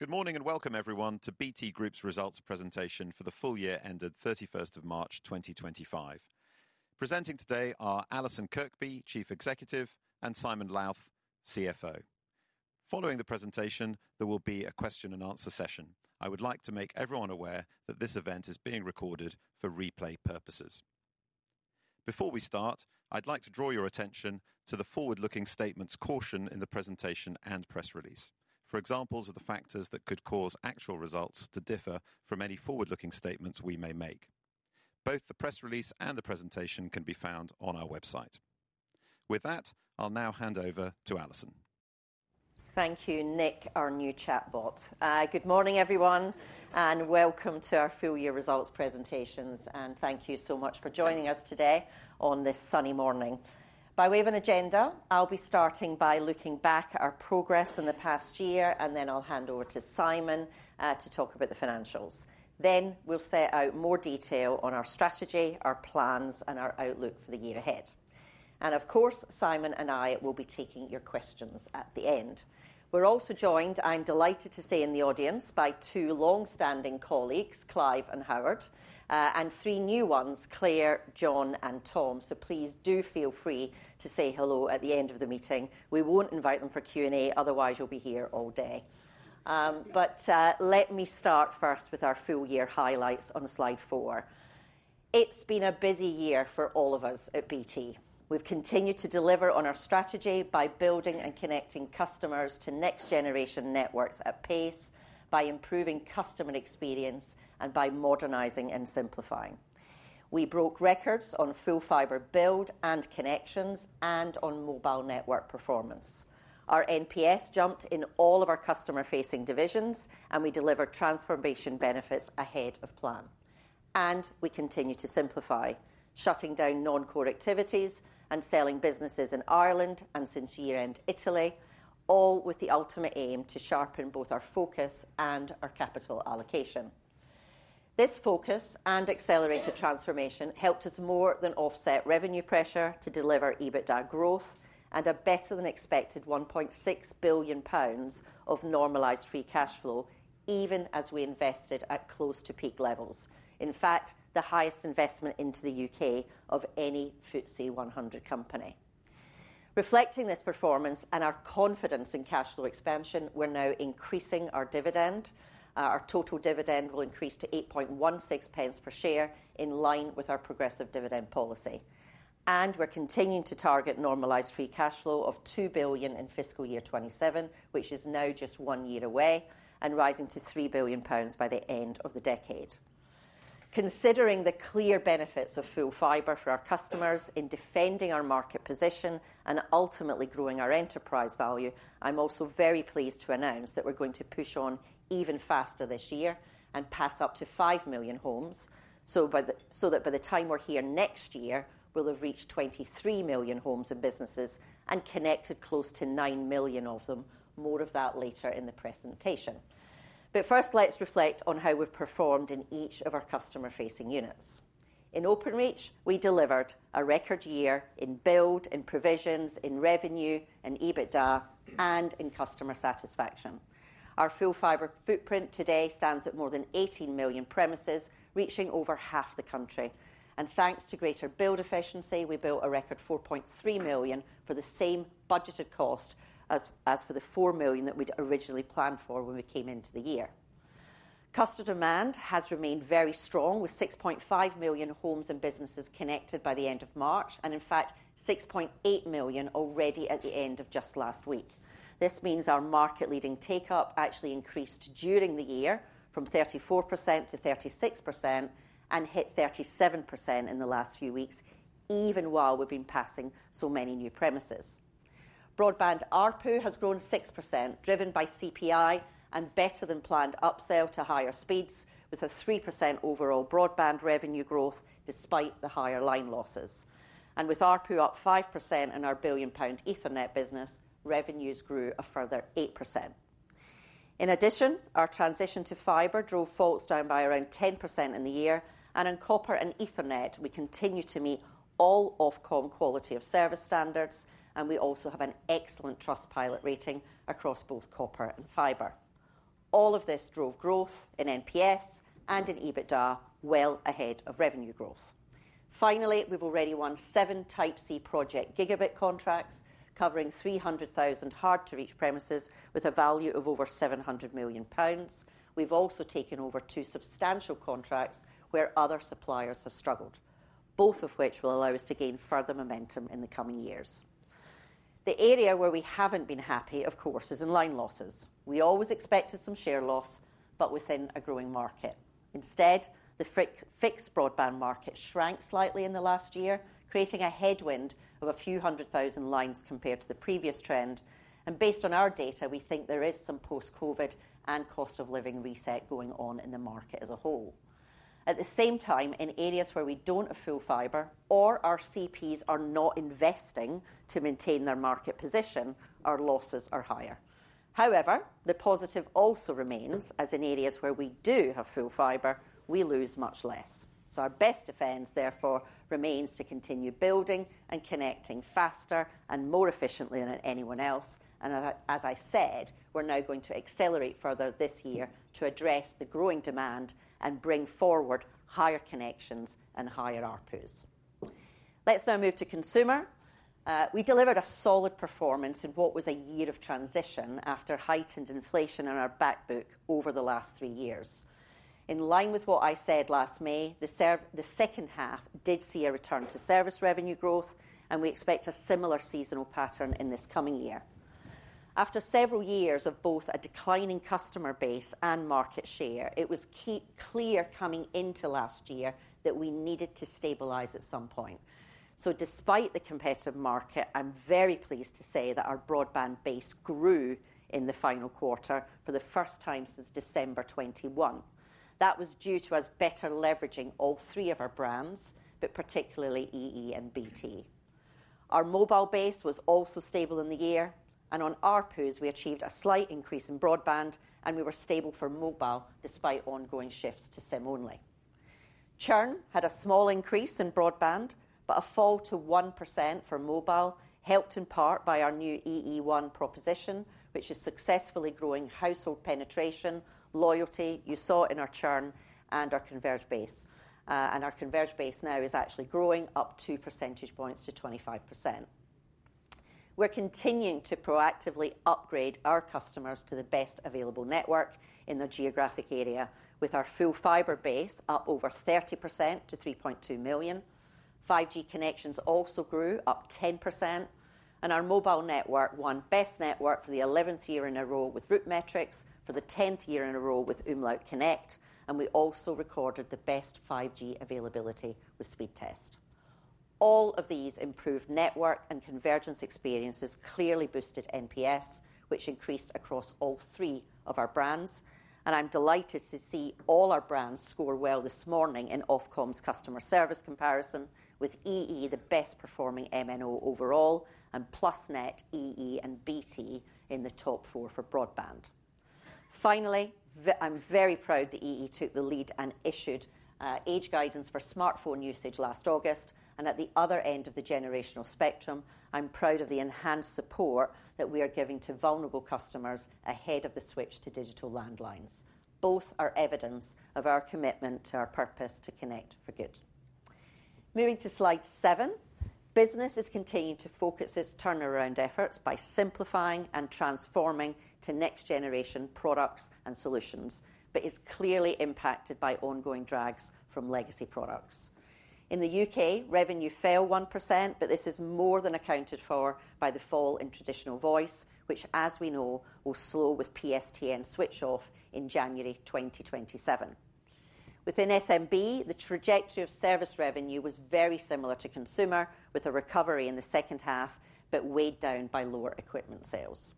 Good morning and welcome, everyone, to BT Group's results presentation for the full year ended 31 March 2025. Presenting today are Allison Kirkby, Chief Executive, and Simon Lowth, CFO. Following the presentation, there will be a question-and-answer session. I would like to make everyone aware that this event is being recorded for replay purposes. Before we start, I'd like to draw your attention to the forward-looking statements caution in the presentation and press release, for examples of the factors that could cause actual results to differ from any forward-looking statements we may make. Both the press release and the presentation can be found on our website. With that, I'll now hand over to Alison. Thank you, Nick, our new chatbot. Good morning, everyone, and welcome to our full-year results presentations. Thank you so much for joining us today on this sunny morning. By way of an agenda, I'll be starting by looking back at our progress in the past year, then I'll hand over to Simon to talk about the financials. Then we'll set out more detail on our strategy, our plans, and our outlook for the year ahead. Of course, Simon and I will be taking your questions at the end. We're also joined, I'm delighted to say, in the audience by two longstanding colleagues, Clive and Howard, and three new ones, Claire, John, and Tom. Please do feel free to say hello at the end of the meeting. We won't invite them for Q&A, otherwise you'll be here all day. Let me start first with our full-year highlights on slide four. It's been a busy year for all of us at BT. We've continued to deliver on our strategy by building and connecting customers to next-generation networks at pace, by improving customer experience, and by modernizing and simplifying. We broke records on full fiber build and connections and on mobile network performance. Our NPS jumped in all of our customer-facing divisions, and we delivered transformation benefits ahead of plan. We continue to simplify, shutting down non-core activities and selling businesses in Ireland and, since year-end, Italy, all with the ultimate aim to sharpen both our focus and our capital allocation. This focus and accelerated transformation helped us more than offset revenue pressure to deliver EBITDA growth and a better-than-expected 1.6 billion pounds of normalized free cash flow, even as we invested at close-to-peak levels. In fact, the highest investment into the U.K. of any FTSE 100 company. Reflecting this performance and our confidence in cash flow expansion, we're now increasing our dividend. Our total dividend will increase to 8.16 per share, in line with our progressive dividend policy. We're continuing to target normalized free cash flow of 2 billion in fiscal year 2027, which is now just one year away, and rising to 3 billion pounds by the end of the decade. Considering the clear benefits of full fiber for our customers in defending our market position and ultimately growing our enterprise value, I'm also very pleased to announce that we're going to push on even faster this year and pass up to 5 million homes, so that by the time we're here next year, we'll have reached 23 million homes and businesses and connected close to 9 million of them. More of that later in the presentation. First, let's reflect on how we've performed in each of our customer-facing units. In Openreach, we delivered a record year in build, in provisions, in revenue, in EBITDA, and in customer satisfaction. Our full fiber footprint today stands at more than 18 million premises, reaching over half the country. Thanks to greater build efficiency, we built a record 4.3 million for the same budgeted cost as for the 4 million that we'd originally planned for when we came into the year. Customer demand has remained very strong, with 6.5 million homes and businesses connected by the end of March, and in fact, 6.8 million already at the end of just last week. This means our market-leading take-up actually increased during the year from 34% to 36% and hit 37% in the last few weeks, even while we've been passing so many new premises. Broadband ARPU has grown 6%, driven by CPI and better-than-planned upsell to higher speeds, with a 3% overall broadband revenue growth despite the higher line losses. With ARPU up 5% in our billion-pound Ethernet business, revenues grew a further 8%. In addition, our transition to fiber drove faults down by around 10% in the year. In copper and Ethernet, we continue to meet all Ofcom quality of service standards, and we also have an excellent Trustpilot rating across both copper and fiber. All of this drove growth in NPS and in EBITDA well ahead of revenue growth. Finally, we've already won seven Type C Project Gigabit contracts covering 300,000 hard-to-reach premises with a value of over 700 million pounds. We've also taken over two substantial contracts where other suppliers have struggled, both of which will allow us to gain further momentum in the coming years. The area where we haven't been happy, of course, is in line losses. We always expected some share loss, but within a growing market. Instead, the fixed broadband market shrank slightly in the last year, creating a headwind of a few hundred thousand lines compared to the previous trend. Based on our data, we think there is some post-COVID and cost-of-living reset going on in the market as a whole. At the same time, in areas where we don't have full fiber or our CPs are not investing to maintain their market position, our losses are higher. However, the positive also remains, as in areas where we do have full fiber, we lose much less. Our best defense, therefore, remains to continue building and connecting faster and more efficiently than anyone else. As I said, we are now going to accelerate further this year to address the growing demand and bring forward higher connections and higher ARPUs. Let's now move to consumer. We delivered a solid performance in what was a year of transition after heightened inflation in our backbook over the last three years. In line with what I said last May, the second half did see a return to service revenue growth, and we expect a similar seasonal pattern in this coming year. After several years of both a declining customer base and market share, it was clear coming into last year that we needed to stabilize at some point. Despite the competitive market, I'm very pleased to say that our broadband base grew in the final quarter for the first time since December 2021. That was due to us better leveraging all three of our brands, but particularly EE and BT. Our mobile base was also stable in the year, and on ARPUs, we achieved a slight increase in broadband, and we were stable for mobile despite ongoing shifts to SIM only. Churn had a small increase in broadband, but a fall to 1% for mobile helped in part by our new EE1 proposition, which is successfully growing household penetration, loyalty—you saw it in our churn—and our converged base. Our converged base now is actually growing, up 2 percentage points to 25%. We're continuing to proactively upgrade our customers to the best available network in the geographic area, with our full fiber base up over 30% to 3.2 million. 5G connections also grew up 10%, and our mobile network won best network for the 11th year in a row with Root Metrics, for the 10th year in a row with Umlaut Connect, and we also recorded the best 5G availability with Speedtest. All of these improved network and convergence experiences clearly boosted NPS, which increased across all three of our brands. I am delighted to see all our brands score well this morning in Ofcom's customer service comparison, with EE the best-performing MNO overall, and PlusNet, EE, and BT in the top four for broadband. Finally, I am very proud that EE took the lead and issued age guidance for smartphone usage last August. At the other end of the generational spectrum, I'm proud of the enhanced support that we are giving to vulnerable customers ahead of the switch to digital landlines. Both are evidence of our commitment to our purpose to connect for good. Moving to slide seven, business is continuing to focus its turnaround efforts by simplifying and transforming to next-generation products and solutions, but is clearly impacted by ongoing drags from legacy products. In the U.K., revenue fell 1%, but this is more than accounted for by the fall in traditional voice, which, as we know, will slow with PSTN switch-off in January 2027. Within SMB, the trajectory of service revenue was very similar to consumer, with a recovery in the second half, but weighed down by lower equipment sales.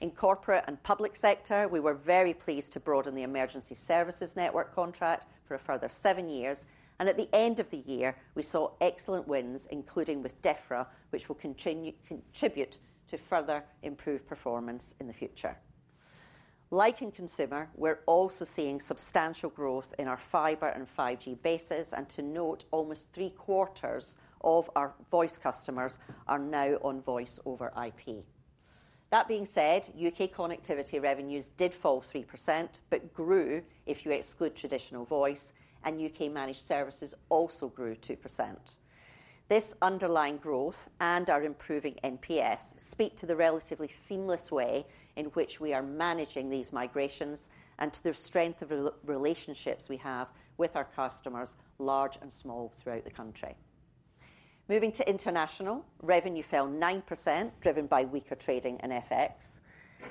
In corporate and public sector, we were very pleased to broaden the emergency services network contract for a further seven years. At the end of the year, we saw excellent wins, including with Defra, which will contribute to further improved performance in the future. Like in consumer, we're also seeing substantial growth in our fiber and 5G bases, and to note, almost three-quarters of our voice customers are now on voice over IP. That being said, U.K. connectivity revenues did fall 3%, but grew if you exclude traditional voice, and U.K. managed services also grew 2%. This underlying growth and our improving NPS speak to the relatively seamless way in which we are managing these migrations and to the strength of relationships we have with our customers, large and small, throughout the country. Moving to international, revenue fell 9%, driven by weaker trading in FX.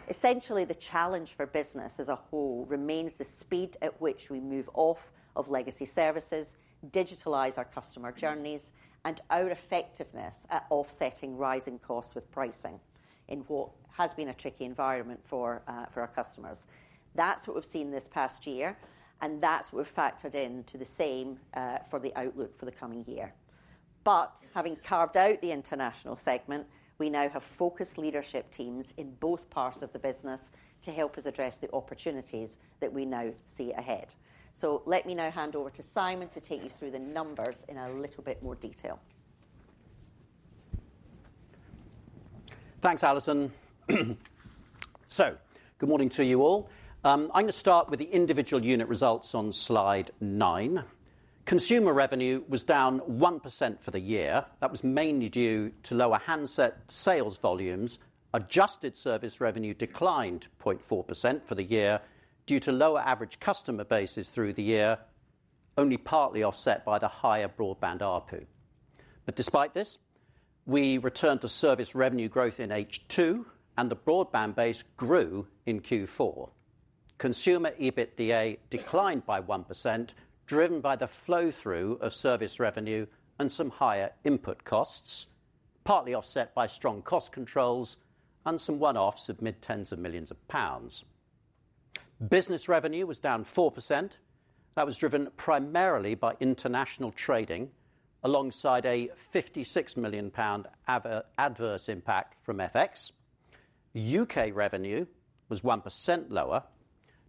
Essentially, the challenge for business as a whole remains the speed at which we move off of legacy services, digitalize our customer journeys, and our effectiveness at offsetting rising costs with pricing in what has been a tricky environment for our customers. That is what we have seen this past year, and that is what we have factored into the same for the outlook for the coming year. Having carved out the international segment, we now have focused leadership teams in both parts of the business to help us address the opportunities that we now see ahead. Let me now hand over to Simon to take you through the numbers in a little bit more detail. Thanks, Alison. Good morning to you all. I am going to start with the individual unit results on slide nine. Consumer revenue was down 1% for the year. That was mainly due to lower handset sales volumes. Adjusted service revenue declined 0.4% for the year due to lower average customer bases through the year, only partly offset by the higher broadband ARPU. Despite this, we returned to service revenue growth in H2, and the broadband base grew in Q4. Consumer EBITDA declined by 1%, driven by the flow-through of service revenue and some higher input costs, partly offset by strong cost controls and some one-offs of mid-tens of millions of GBP. Business revenue was down 4%. That was driven primarily by international trading, alongside a 56 million pound adverse impact from FX. U.K. revenue was 1% lower.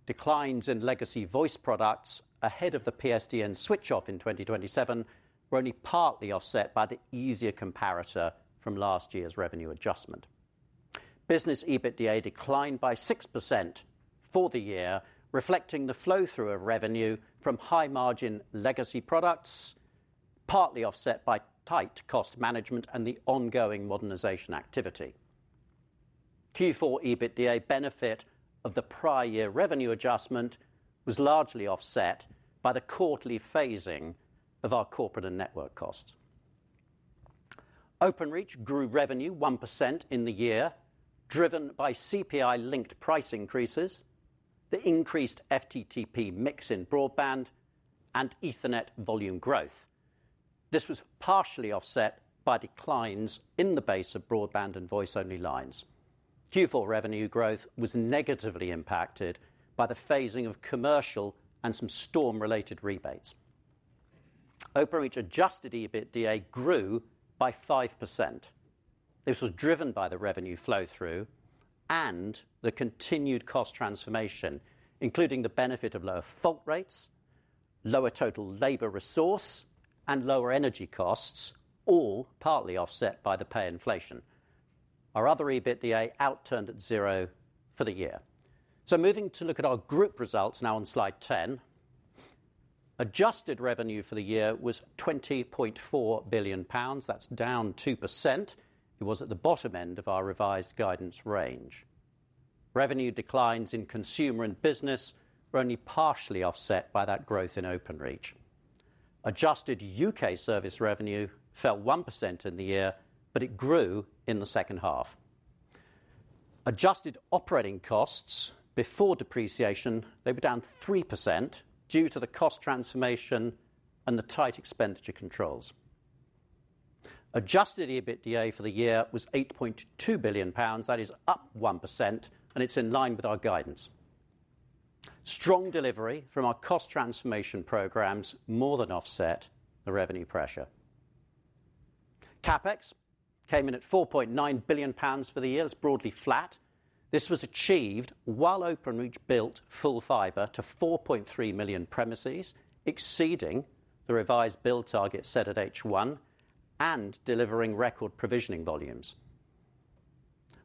Declines in legacy voice products ahead of the PSTN switch-off in 2027 were only partly offset by the easier comparator from last year's revenue adjustment. Business EBITDA declined by 6% for the year, reflecting the flow-through of revenue from high-margin legacy products, partly offset by tight cost management and the ongoing modernization activity. Q4 EBITDA benefit of the prior year revenue adjustment was largely offset by the quarterly phasing of our corporate and network costs. Openreach grew revenue 1% in the year, driven by CPI-linked price increases, the increased FTTP mix in broadband, and Ethernet volume growth. This was partially offset by declines in the base of broadband and voice-only lines. Q4 revenue growth was negatively impacted by the phasing of commercial and some storm-related rebates. Openreach adjusted EBITDA grew by 5%. This was driven by the revenue flow-through and the continued cost transformation, including the benefit of lower fault rates, lower total labor resource, and lower energy costs, all partly offset by the pay inflation. Our other EBITDA outturned at zero for the year. Moving to look at our group results now on slide ten, adjusted revenue for the year was 20.4 billion pounds. That is down 2%. It was at the bottom end of our revised guidance range. Revenue declines in consumer and business were only partially offset by that growth in Openreach. Adjusted U.K. service revenue fell 1% in the year, but it grew in the second half. Adjusted operating costs before depreciation, they were down 3% due to the cost transformation and the tight expenditure controls. Adjusted EBITDA for the year was 8.2 billion pounds. That is up 1%, and it is in line with our guidance. Strong delivery from our cost transformation programs more than offset the revenue pressure. CapEx came in at 4.9 billion pounds for the year. It is broadly flat. This was achieved while Openreach built full fiber to 4.3 million premises, exceeding the revised build target set at H1 and delivering record provisioning volumes.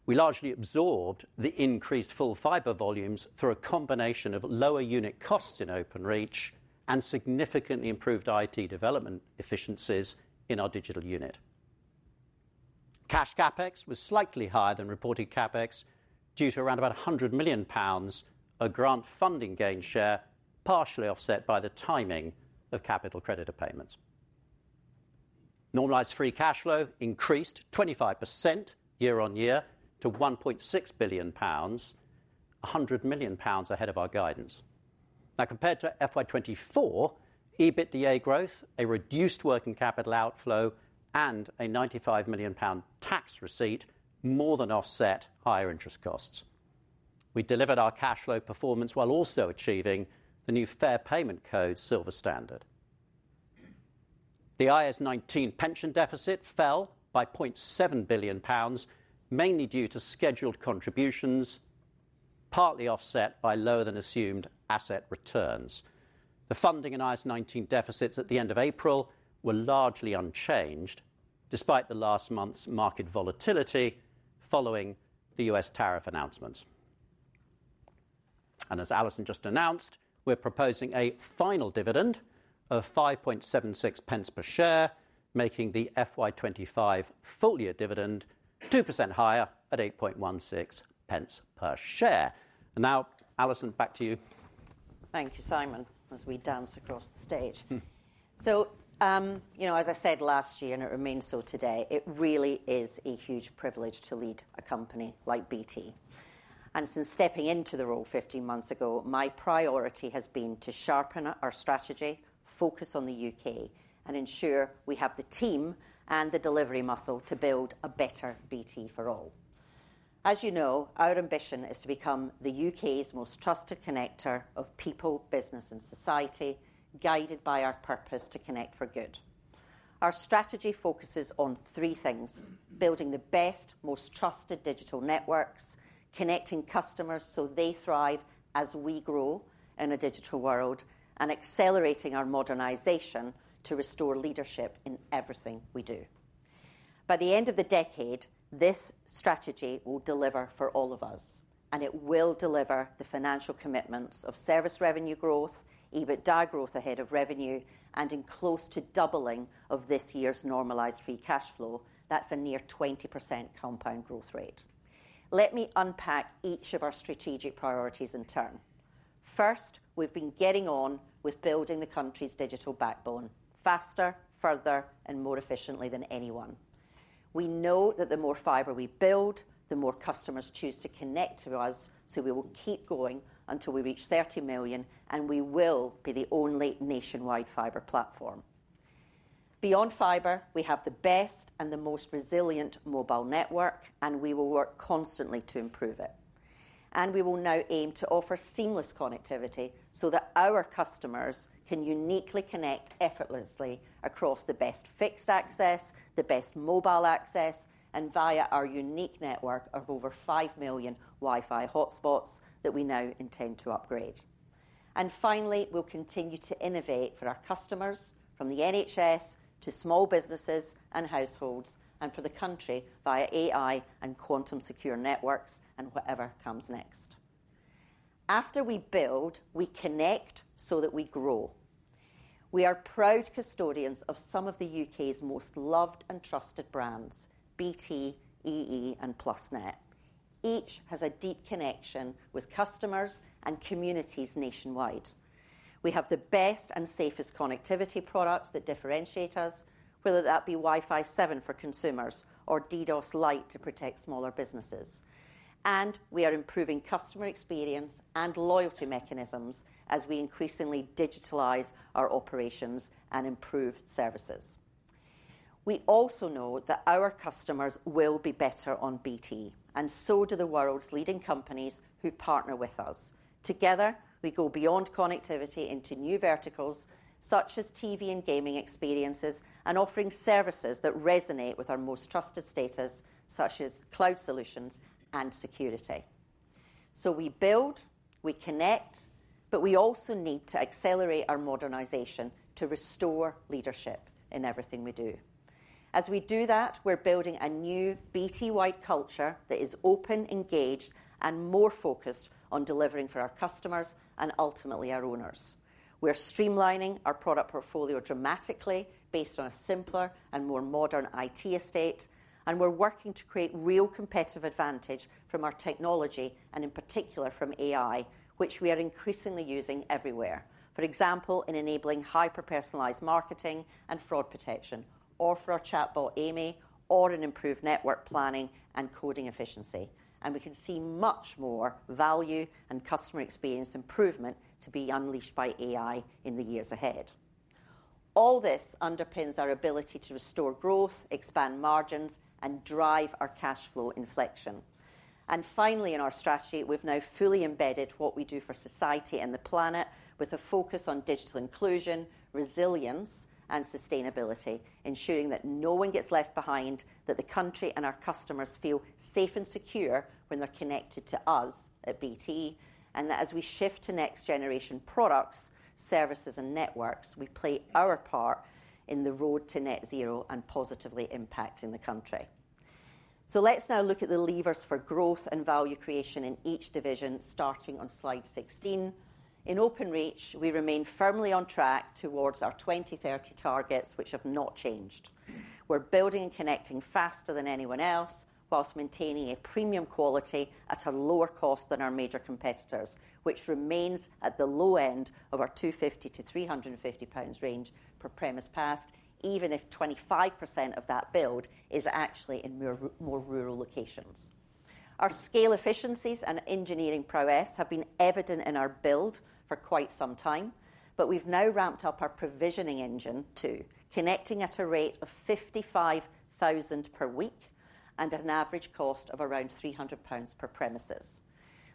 We largely absorbed the increased full fiber volumes through a combination of lower unit costs in Openreach and significantly improved IT development efficiencies in our digital unit. Cash CapEx was slightly higher than reported CapEx due to around about 100 million pounds of grant funding gain share, partially offset by the timing of capital creditor payments. Normalized free cash flow increased 25% year-on-year to 1.6 billion pounds, 100 million pounds ahead of our guidance. Now, compared to FY 2024, EBITDA growth, a reduced working capital outflow, and a 95 million pound tax receipt more than offset higher interest costs. We delivered our cash flow performance while also achieving the new fair payment code silver standard. The IS19 pension deficit fell by 0.7 billion pounds, mainly due to scheduled contributions, partly offset by lower than assumed asset returns. The funding and IS19 deficits at the end of April were largely unchanged despite the last month's market volatility following the U.S. tariff announcements. As Alison just announced, we're proposing a final dividend of 5.76 per share, making the FY 2025 full year dividend 2% higher at 8.16 per share. Alison, back to you. Thank you, Simon, as we dance across the stage. You know, as I said last year, and it remains so today, it really is a huge privilege to lead a company like BT. Since stepping into the role 15 months ago, my priority has been to sharpen our strategy, focus on the U.K., and ensure we have the team and the delivery muscle to build a better BT for all. As you know, our ambition is to become the U.K.'s most trusted connector of people, business, and society, guided by our purpose to connect for good. Our strategy focuses on three things: building the best, most trusted digital networks, connecting customers so they thrive as we grow in a digital world, and accelerating our modernization to restore leadership in everything we do. By the end of the decade, this strategy will deliver for all of us, and it will deliver the financial commitments of service revenue growth, EBITDA growth ahead of revenue, and in close to doubling of this year's normalized free cash flow. That is a near 20% compound growth rate. Let me unpack each of our strategic priorities in turn. First, we have been getting on with building the country's digital backbone faster, further, and more efficiently than anyone. We know that the more fiber we build, the more customers choose to connect to us, so we will keep going until we reach 30 million, and we will be the only nationwide fiber platform. Beyond fiber, we have the best and the most resilient mobile network, and we will work constantly to improve it. We will now aim to offer seamless connectivity so that our customers can uniquely connect effortlessly across the best fixed access, the best mobile access, and via our unique network of over 5 million Wi-Fi hotspots that we now intend to upgrade. Finally, we'll continue to innovate for our customers from the NHS to small businesses and households and for the country via AI and quantum secure networks and whatever comes next. After we build, we connect so that we grow. We are proud custodians of some of the U.K.'s most loved and trusted brands: BT, EE, and PlusNet. Each has a deep connection with customers and communities nationwide. We have the best and safest connectivity products that differentiate us, whether that be Wi-Fi 7 for consumers or DDoS Lite to protect smaller businesses. We are improving customer experience and loyalty mechanisms as we increasingly digitalize our operations and improve services. We also know that our customers will be better on BT, and so do the world's leading companies who partner with us. Together, we go beyond connectivity into new verticals such as TV and gaming experiences and offering services that resonate with our most trusted status, such as cloud solutions and security. We build, we connect, but we also need to accelerate our modernization to restore leadership in everything we do. As we do that, we're building a new BT-wide culture that is open, engaged, and more focused on delivering for our customers and ultimately our owners. We're streamlining our product portfolio dramatically based on a simpler and more modern IT estate, and we're working to create real competitive advantage from our technology and, in particular, from AI, which we are increasingly using everywhere. For example, in enabling hyper-personalized marketing and fraud protection, or for our chatbot, Amy, or in improved network planning and coding efficiency. We can see much more value and customer experience improvement to be unleashed by AI in the years ahead. All this underpins our ability to restore growth, expand margins, and drive our cash flow inflection. Finally, in our strategy, we have now fully embedded what we do for society and the planet with a focus on digital inclusion, resilience, and sustainability, ensuring that no one gets left behind, that the country and our customers feel safe and secure when they are connected to us at BT, and that as we shift to next-generation products, services, and networks, we play our part in the road to net zero and positively impacting the country. Let us now look at the levers for growth and value creation in each division, starting on slide 16. In Openreach, we remain firmly on track towards our 2030 targets, which have not changed. We're building and connecting faster than anyone else, whilst maintaining a premium quality at a lower cost than our major competitors, which remains at the low end of our 250-350 pounds range per premise passed, even if 25% of that build is actually in more rural locations. Our scale efficiencies and engineering prowess have been evident in our build for quite some time, but we've now ramped up our provisioning engine too, connecting at a rate of 55,000 per week and an average cost of around 300 pounds per premises.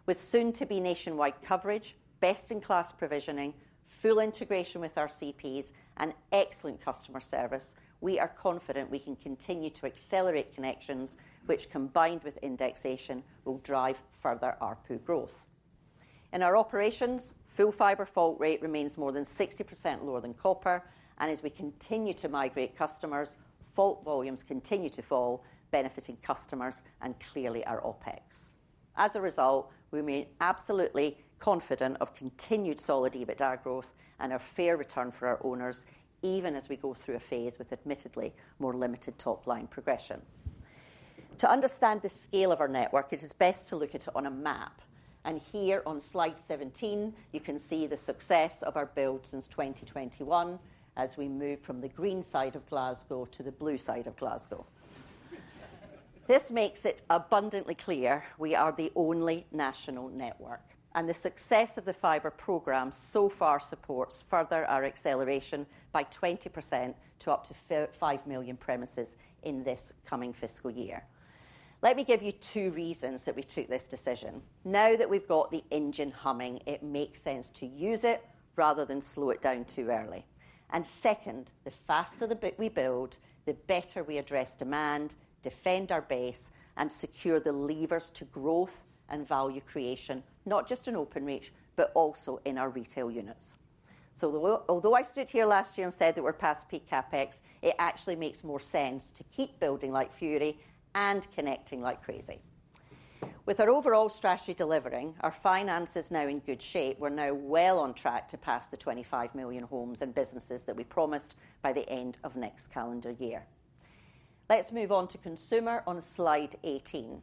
With soon-to-be nationwide coverage, best-in-class provisioning, full integration with our CPs, and excellent customer service, we are confident we can continue to accelerate connections, which, combined with indexation, will drive further ARPU growth. In our operations, full fiber fault rate remains more than 60% lower than copper, and as we continue to migrate customers, fault volumes continue to fall, benefiting customers and clearly our OpEx. As a result, we remain absolutely confident of continued solid EBITDA growth and a fair return for our owners, even as we go through a phase with admittedly more limited top-line progression. To understand the scale of our network, it is best to look at it on a map. Here on slide 17, you can see the success of our build since 2021 as we move from the green side of Glasgow to the blue side of Glasgow. This makes it abundantly clear we are the only national network, and the success of the fiber program so far supports further our acceleration by 20% to up to 5 million premises in this coming fiscal year. Let me give you two reasons that we took this decision. Now that we've got the engine humming, it makes sense to use it rather than slow it down too early. Second, the faster the bit we build, the better we address demand, defend our base, and secure the levers to growth and value creation, not just in Openreach, but also in our retail units. Although I stood here last year and said that we're past peak CapEx, it actually makes more sense to keep building like fury and connecting like crazy. With our overall strategy delivering, our finances now in good shape, we're now well on track to pass the 25 million homes and businesses that we promised by the end of next calendar year. Let's move on to consumer on slide 18.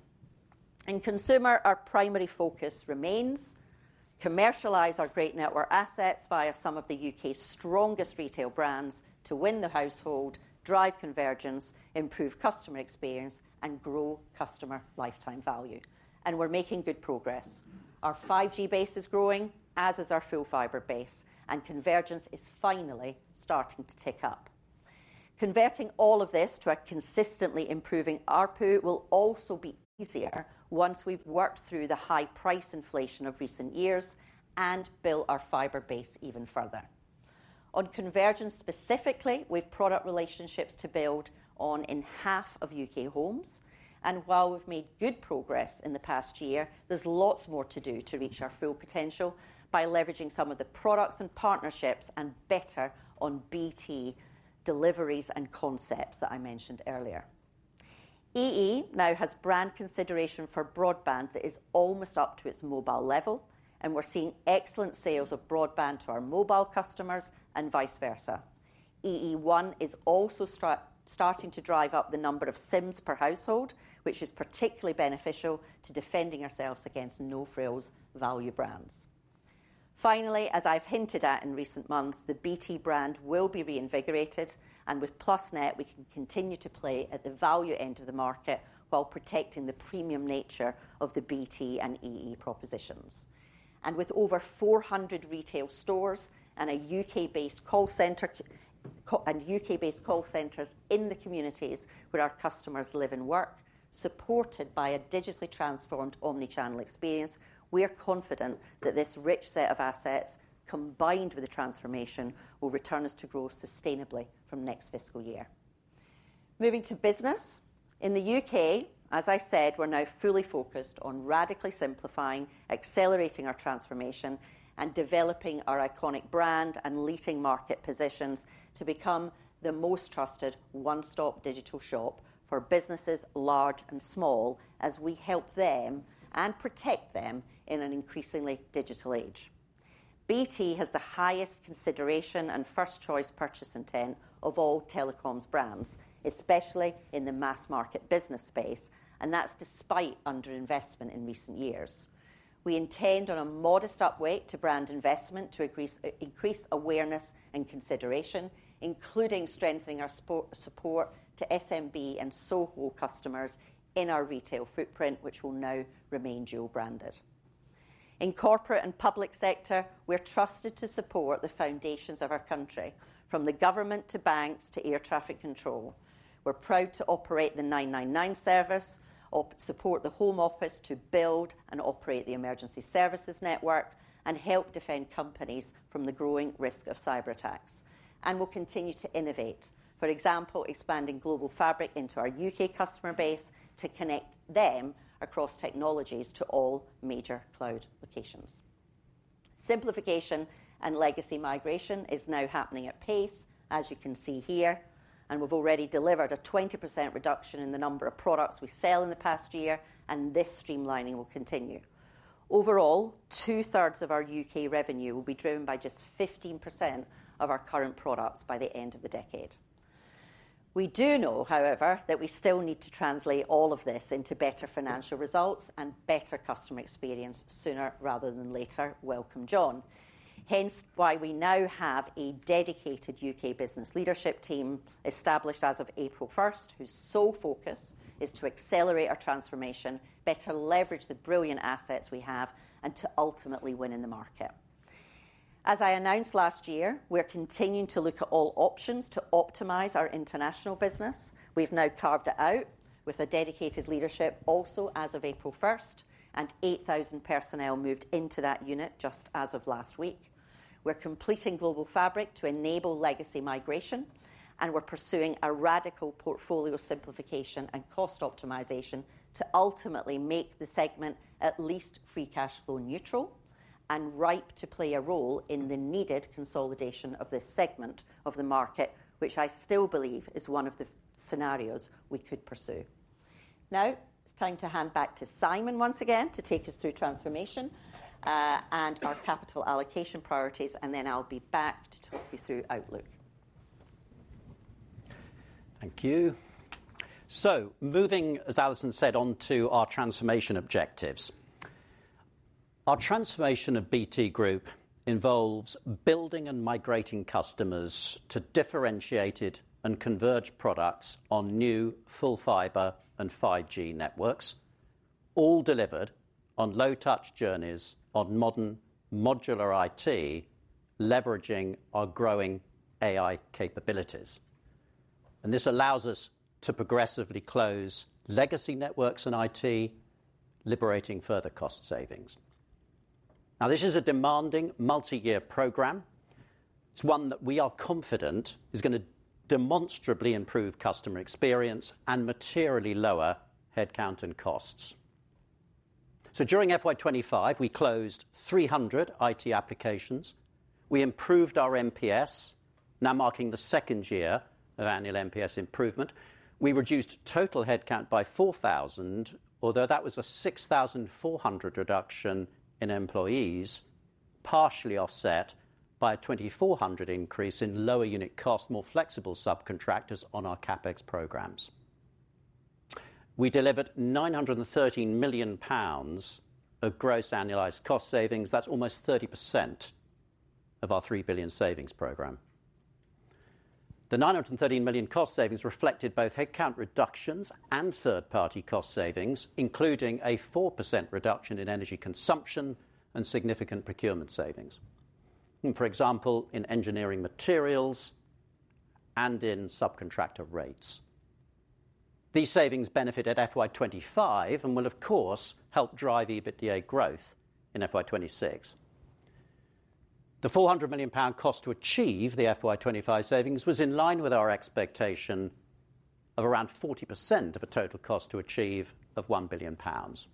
In consumer, our primary focus remains to commercialize our great network assets via some of the U.K.'s strongest retail brands to win the household, drive convergence, improve customer experience, and grow customer lifetime value. We are making good progress. Our 5G base is growing, as is our full fiber base, and convergence is finally starting to tick up. Converting all of this to a consistently improving ARPU will also be easier once we have worked through the high price inflation of recent years and built our fiber base even further. On convergence specifically, we have product relationships to build on in half of U.K. homes. While we have made good progress in the past year, there is lots more to do to reach our full potential by leveraging some of the products and partnerships and better on BT deliveries and concepts that I mentioned earlier. EE now has brand consideration for broadband that is almost up to its mobile level, and we're seeing excellent sales of broadband to our mobile customers and vice versa. EE1 is also starting to drive up the number of SIMs per household, which is particularly beneficial to defending ourselves against no-frills value brands. Finally, as I've hinted at in recent months, the BT brand will be reinvigorated, and with PlusNet, we can continue to play at the value end of the market while protecting the premium nature of the BT and EE propositions. With over 400 retail stores and a U.K.-based call center and U.K.-based call centers in the communities where our customers live and work, supported by a digitally transformed omnichannel experience, we're confident that this rich set of assets, combined with the transformation, will return us to growth sustainably from next fiscal year. Moving to business, in the U.K., as I said, we're now fully focused on radically simplifying, accelerating our transformation, and developing our iconic brand and leading market positions to become the most trusted one-stop digital shop for businesses large and small as we help them and protect them in an increasingly digital age. BT has the highest consideration and first-choice purchase intent of all telecoms brands, especially in the mass market business space, and that's despite underinvestment in recent years. We intend on a modest uptick to brand investment to increase awareness and consideration, including strengthening our support to SMB and Soho customers in our retail footprint, which will now remain dual-branded. In corporate and public sector, we're trusted to support the foundations of our country, from the government to banks to air traffic control. We're proud to operate the 999 service, support the Home Office to build and operate the Emergency Services Network, and help defend companies from the growing risk of cyberattacks. We will continue to innovate, for example, expanding Global Fabric into our U.K. customer base to connect them across technologies to all major cloud locations. Simplification and legacy migration is now happening at pace, as you can see here, and we've already delivered a 20% reduction in the number of products we sell in the past year, and this streamlining will continue. Overall, two-thirds of our U.K. revenue will be driven by just 15% of our current products by the end of the decade. We do know, however, that we still need to translate all of this into better financial results and better customer experience sooner rather than later. Welcome, John. Hence why we now have a dedicated U.K. business leadership team established as of April 1, whose sole focus is to accelerate our transformation, better leverage the brilliant assets we have, and to ultimately win in the market. As I announced last year, we're continuing to look at all options to optimize our international business. We've now carved it out with a dedicated leadership also as of April 1, and 8,000 personnel moved into that unit just as of last week. We're completing Global Fabric to enable legacy migration, and we're pursuing a radical portfolio simplification and cost optimization to ultimately make the segment at least free cash flow neutral and ripe to play a role in the needed consolidation of this segment of the market, which I still believe is one of the scenarios we could pursue. Now, it's time to hand back to Simon once again to take us through transformation and our capital allocation priorities, and then I'll be back to talk you through Outlook. Thank you. Moving, as Alison said, on to our transformation objectives. Our transformation of BT Group involves building and migrating customers to differentiated and converged products on new full fiber and 5G networks, all delivered on low-touch journeys on modern modular IT, leveraging our growing AI capabilities. This allows us to progressively close legacy networks in IT, liberating further cost savings. This is a demanding multi-year program. It's one that we are confident is going to demonstrably improve customer experience and materially lower headcount and costs. During FY 2025, we closed 300 IT applications. We improved our NPS, now marking the second year of annual NPS improvement. We reduced total headcount by 4,000, although that was a 6,400 reduction in employees, partially offset by a 2,400 increase in lower unit cost, more flexible subcontractors on our CapEx programs. We delivered 913 million pounds of gross annualized cost savings. That's almost 30% of our 3 billion savings program. The 913 million cost savings reflected both headcount reductions and third-party cost savings, including a 4% reduction in energy consumption and significant procurement savings, for example, in engineering materials and in subcontractor rates. These savings benefited FY 2025 and will, of course, help drive EBITDA growth in FY 2026. The 400 million pound cost to achieve the FY 2025 savings was in line with our expectation of around 40% of a total cost to achieve of 1 billion pounds.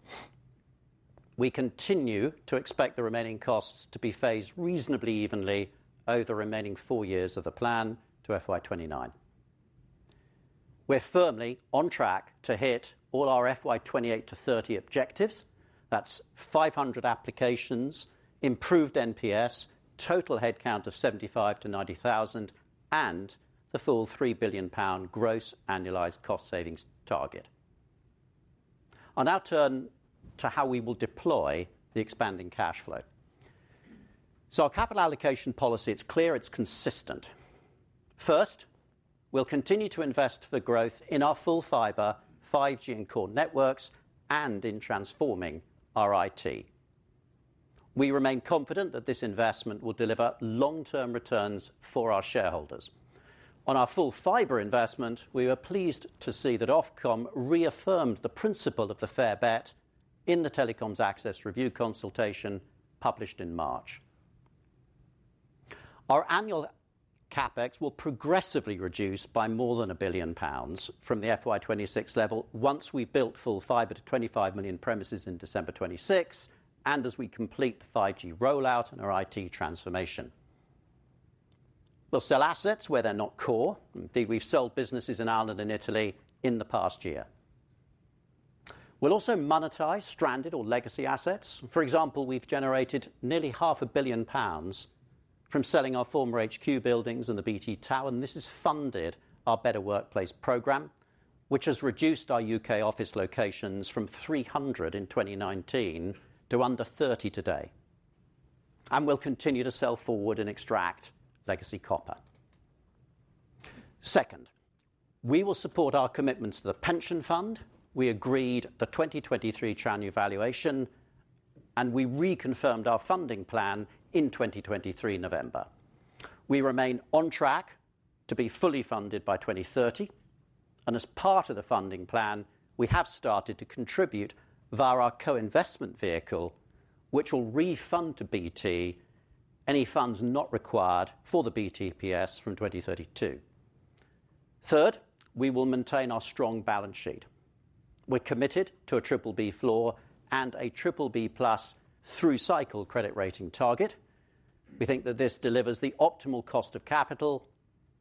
We continue to expect the remaining costs to be phased reasonably evenly over the remaining four years of the plan to FY 2029. We're firmly on track to hit all our FY 2028-2030 objectives. That's 500 applications, improved NPS, total headcount of 75,000-90,000, and the full 3 billion pound gross annualized cost savings target. I'll now turn to how we will deploy the expanding cash flow. Our capital allocation policy, it's clear, it's consistent. First, we'll continue to invest for growth in our full fiber, 5G, and core networks and in transforming our IT. We remain confident that this investment will deliver long-term returns for our shareholders. On our full fiber investment, we were pleased to see that Ofcom reaffirmed the principle of the fair bet in the Telecoms Access Review consultation published in March. Our annual CapEx will progressively reduce by more than 1 billion pounds from the FY 2026 level once we've built full fiber to 25 million premises in December 2026 and as we complete the 5G rollout and our IT transformation. We'll sell assets where they're not core. Indeed, we've sold businesses in Ireland and Italy in the past year. We'll also monetize stranded or legacy assets. For example, we've generated nearly 500 million pounds from selling our former HQ buildings and the BT Tower. This has funded our Better Workplace program, which has reduced our U.K. office locations from 300 in 2019 to under 30 today. We'll continue to sell forward and extract legacy copper. Second, we will support our commitments to the pension fund. We agreed the 2023 track new valuation, and we reconfirmed our funding plan in 2023 November. We remain on track to be fully funded by 2030. As part of the funding plan, we have started to contribute via our co-investment vehicle, which will refund to BT any funds not required for the BTPS from 2032. Third, we will maintain our strong balance sheet. We are committed to a BBB floor and a BBB plus through cycle credit rating target. We think that this delivers the optimal cost of capital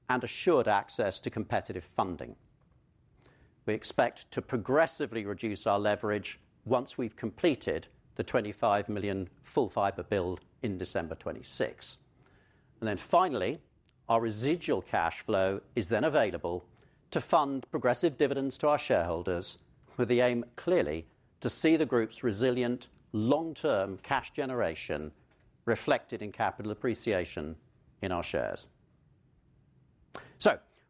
and assured access to competitive funding. We expect to progressively reduce our leverage once we have completed the 25 million full fiber build in December 2026. Finally, our residual cash flow is then available to fund progressive dividends to our shareholders, with the aim clearly to see the group's resilient long-term cash generation reflected in capital appreciation in our shares.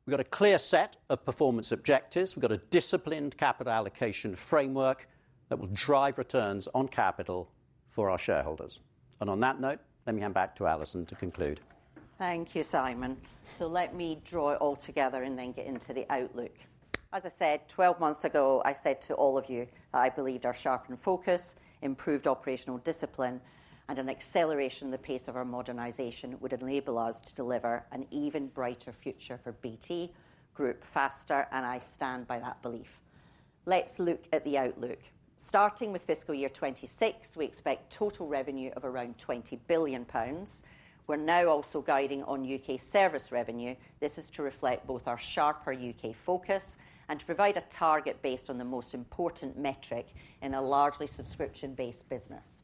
We have a clear set of performance objectives. We have a disciplined capital allocation framework that will drive returns on capital for our shareholders. On that note, let me hand back to Allison to conclude. Thank you, Simon. Let me draw it all together and then get into the Outlook. As I said 12 months ago, I said to all of you that I believed our sharpened focus, improved operational discipline, and an acceleration in the pace of our modernization would enable us to deliver an even brighter future for BT Group faster, and I stand by that belief. Let's look at the Outlook. Starting with fiscal year 2026, we expect total revenue of around 20 billion pounds. We are now also guiding on U.K. service revenue. This is to reflect both our sharper U.K. focus and to provide a target based on the most important metric in a largely subscription-based business.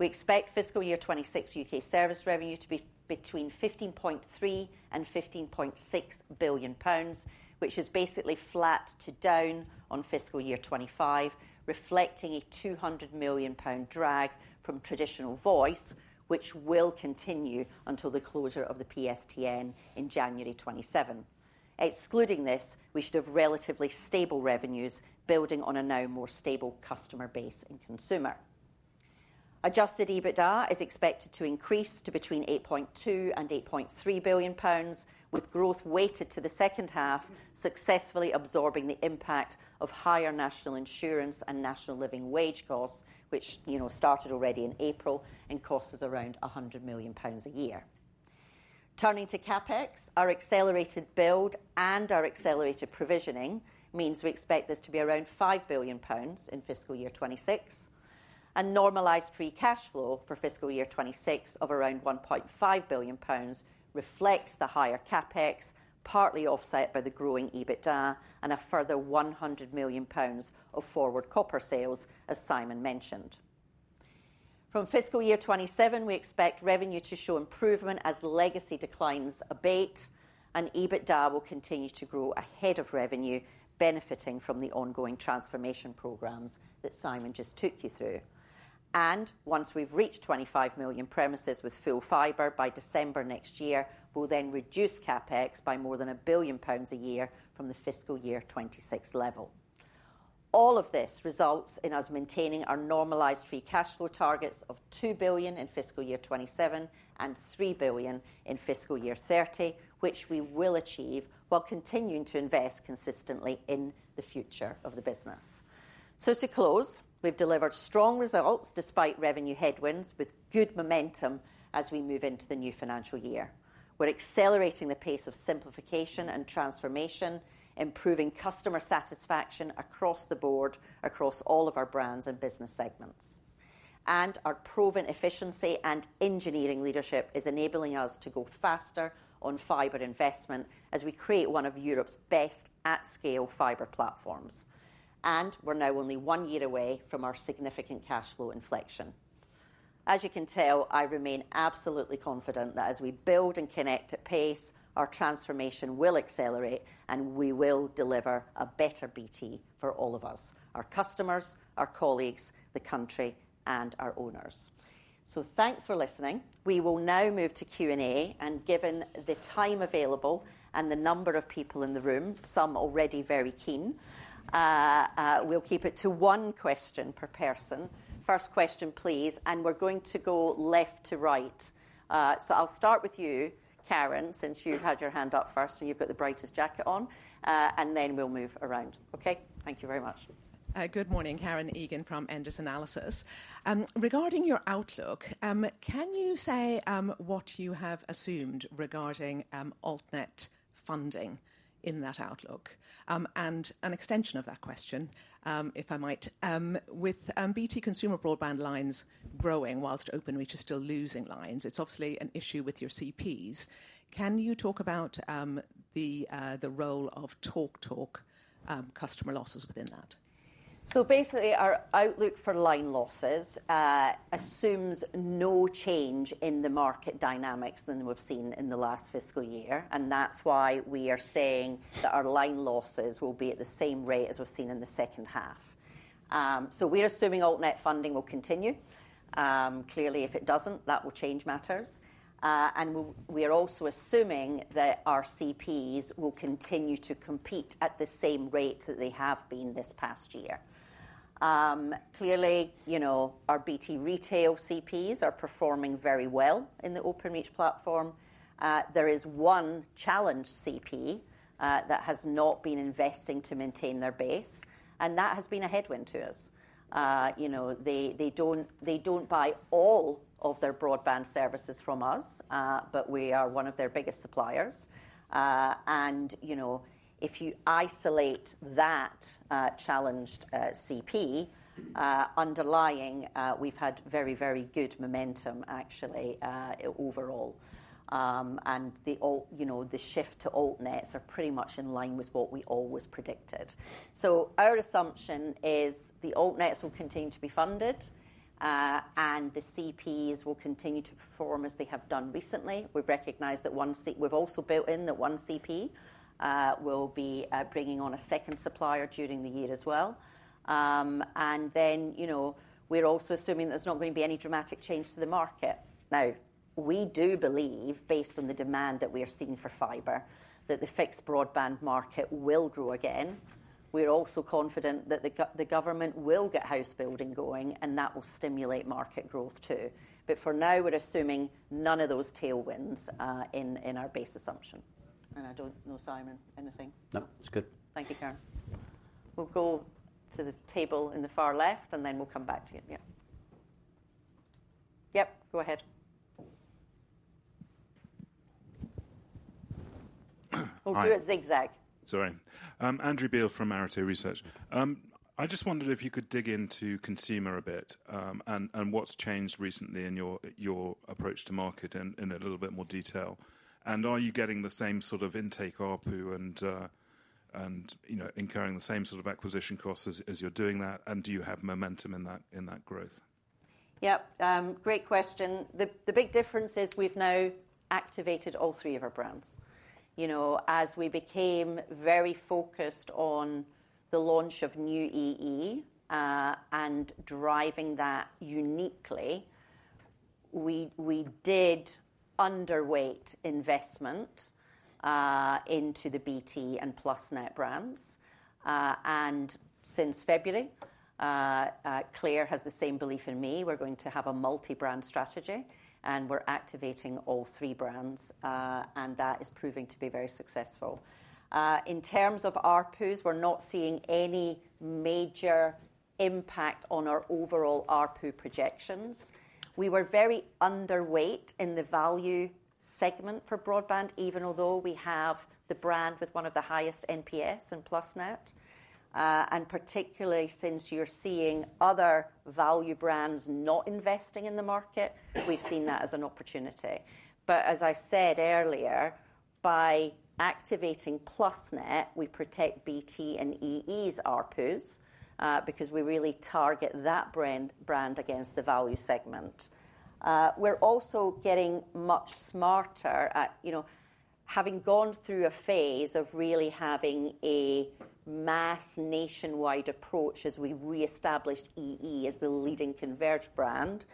We expect fiscal year 2026 U.K. service revenue to be between 15.3 billion-15.6 billion pounds, which is basically flat to down on fiscal year 2025, reflecting a 200 million pound drag from traditional voice, which will continue until the closure of the PSTN in January 2027. Excluding this, we should have relatively stable revenues building on a now more stable customer base and consumer. Adjusted EBITDA is expected to increase to between 8.2 billion-8.3 billion pounds, with growth weighted to the second half, successfully absorbing the impact of higher national insurance and national living wage costs, which started already in April and cost us around 100 million pounds a year. Turning to CapEx, our accelerated build and our accelerated provisioning means we expect this to be around 5 billion pounds in fiscal year 2026. A normalized free cash flow for fiscal year 2026 of around 1.5 billion pounds reflects the higher CapEx, partly offset by the growing EBITDA and a further 100 million pounds of forward copper sales, as Simon mentioned. From fiscal year 2027, we expect revenue to show improvement as legacy declines abate, and EBITDA will continue to grow ahead of revenue, benefiting from the ongoing transformation programs that Simon just took you through. Once we have reached 25 million premises with full fiber by December next year, we will then reduce CapEx by more than 1 billion pounds a year from the fiscal year 2026 level. All of this results in us maintaining our normalized free cash flow targets of 2 billion in fiscal year 2027 and 3 billion in fiscal year 2030, which we will achieve while continuing to invest consistently in the future of the business. To close, we've delivered strong results despite revenue headwinds, with good momentum as we move into the new financial year. We're accelerating the pace of simplification and transformation, improving customer satisfaction across the board, across all of our brands and business segments. Our proven efficiency and engineering leadership is enabling us to go faster on fiber investment as we create one of Europe's best at-scale fiber platforms. We're now only one year away from our significant cash flow inflection. As you can tell, I remain absolutely confident that as we build and connect at pace, our transformation will accelerate, and we will deliver a better BT for all of us: our customers, our colleagues, the country, and our owners. Thanks for listening. We will now move to Q&A. Given the time available and the number of people in the room, some already very keen, we'll keep it to one question per person. First question, please. We're going to go left to right. I'll start with you, Karen, since you had your hand up first and you've got the brightest jacket on. Then we'll move around. Okay? Thank you very much. Good morning, Karen Egan from Enders Analysis. Regarding your Outlook, can you say what you have assumed regarding AltNet funding in that Outlook? An extension of that question, if I might, with BT consumer broadband lines growing whilst Openreach is still losing lines, it's obviously an issue with your CPs. Can you talk about the role of TalkTalk customer losses within that? Basically, our outlook for line losses assumes no change in the market dynamics than we've seen in the last fiscal year. That's why we are saying that our line losses will be at the same rate as we've seen in the second half. We're assuming AltNet funding will continue. Clearly, if it doesn't, that will change matters. We are also assuming that our CPs will continue to compete at the same rate that they have been this past year. Clearly, our BT retail CPs are performing very well in the Openreach platform. There is one challenge CP that has not been investing to maintain their base, and that has been a headwind to us. They don't buy all of their broadband services from us, but we are one of their biggest suppliers. If you isolate that challenged CP underlying, we've had very, very good momentum, actually, overall. The shift to AltNets is pretty much in line with what we always predicted. Our assumption is the AltNets will continue to be funded, and the CPs will continue to perform as they have done recently. We've recognized that one CP, we've also built in that one CP will be bringing on a second supplier during the year as well. We are also assuming there's not going to be any dramatic change to the market. We do believe, based on the demand that we are seeing for fiber, that the fixed broadband market will grow again. We are also confident that the government will get house building going, and that will stimulate market growth too. For now, we're assuming none of those tailwinds in our base assumption. I do not know, Simon, anything? No, that is good. Thank you, Karen. We will go to the table in the far left, and then we will come back to you. Yeah. Yep, go ahead. We will do a zigzag. Sorry. Andrew Beale from Arete Research. I just wondered if you could dig into consumer a bit and what has changed recently in your approach to market in a little bit more detail. And are you getting the same sort of intake ARPU and incurring the same sort of acquisition costs as you are doing that? And do you have momentum in that growth? Yep. Great question. The big difference is we have now activated all three of our brands. As we became very focused on the launch of new EE and driving that uniquely, we did underweight investment into the BT and PlusNet brands. And since February, Claire has the same belief in me. We're going to have a multi-brand strategy, and we're activating all three brands, and that is proving to be very successful. In terms of ARPUs, we're not seeing any major impact on our overall ARPU projections. We were very underweight in the value segment for broadband, even although we have the brand with one of the highest NPS and PlusNet. Particularly since you're seeing other value brands not investing in the market, we've seen that as an opportunity. As I said earlier, by activating PlusNet, we protect BT and EE's ARPUs because we really target that brand against the value segment. We're also getting much smarter at having gone through a phase of really having a mass nationwide approach as we reestablished EE as the leading converged brand.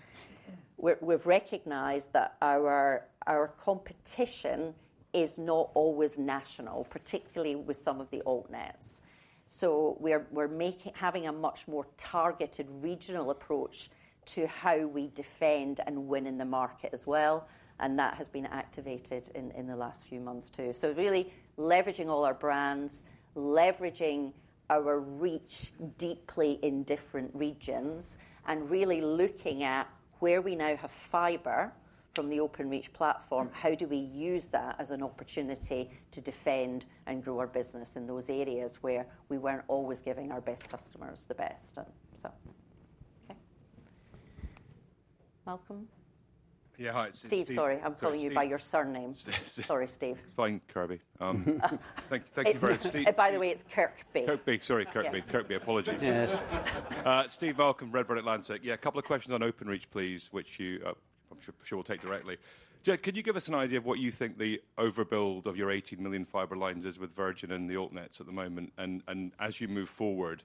We've recognized that our competition is not always national, particularly with some of the AltNets. We're having a much more targeted regional approach to how we defend and win in the market as well. That has been activated in the last few months too. Really leveraging all our brands, leveraging our reach deeply in different regions, and really looking at where we now have fiber from the Openreach platform, how do we use that as an opportunity to defend and grow our business in those areas where we were not always giving our best customers the best. Okay. Malcolm? Yeah, hi. Steve, sorry. I'm calling you by your surname. Steve. Sorry, Steve. Fine. Kirkby. Thank you very much. Steve. By the way, it's Kirkby. Kirkby. Sorry, Kirkby. Kirkby. Apologies. Yes. Steve Malcolm, Redburn Atlantic. Yeah, a couple of questions on Openreach, please, which you I'm sure will take directly. Jeda, can you give us an idea of what you think the overbuild of your 18 million fiber lines is with Virgin and the AltNets at the moment? As you move forward,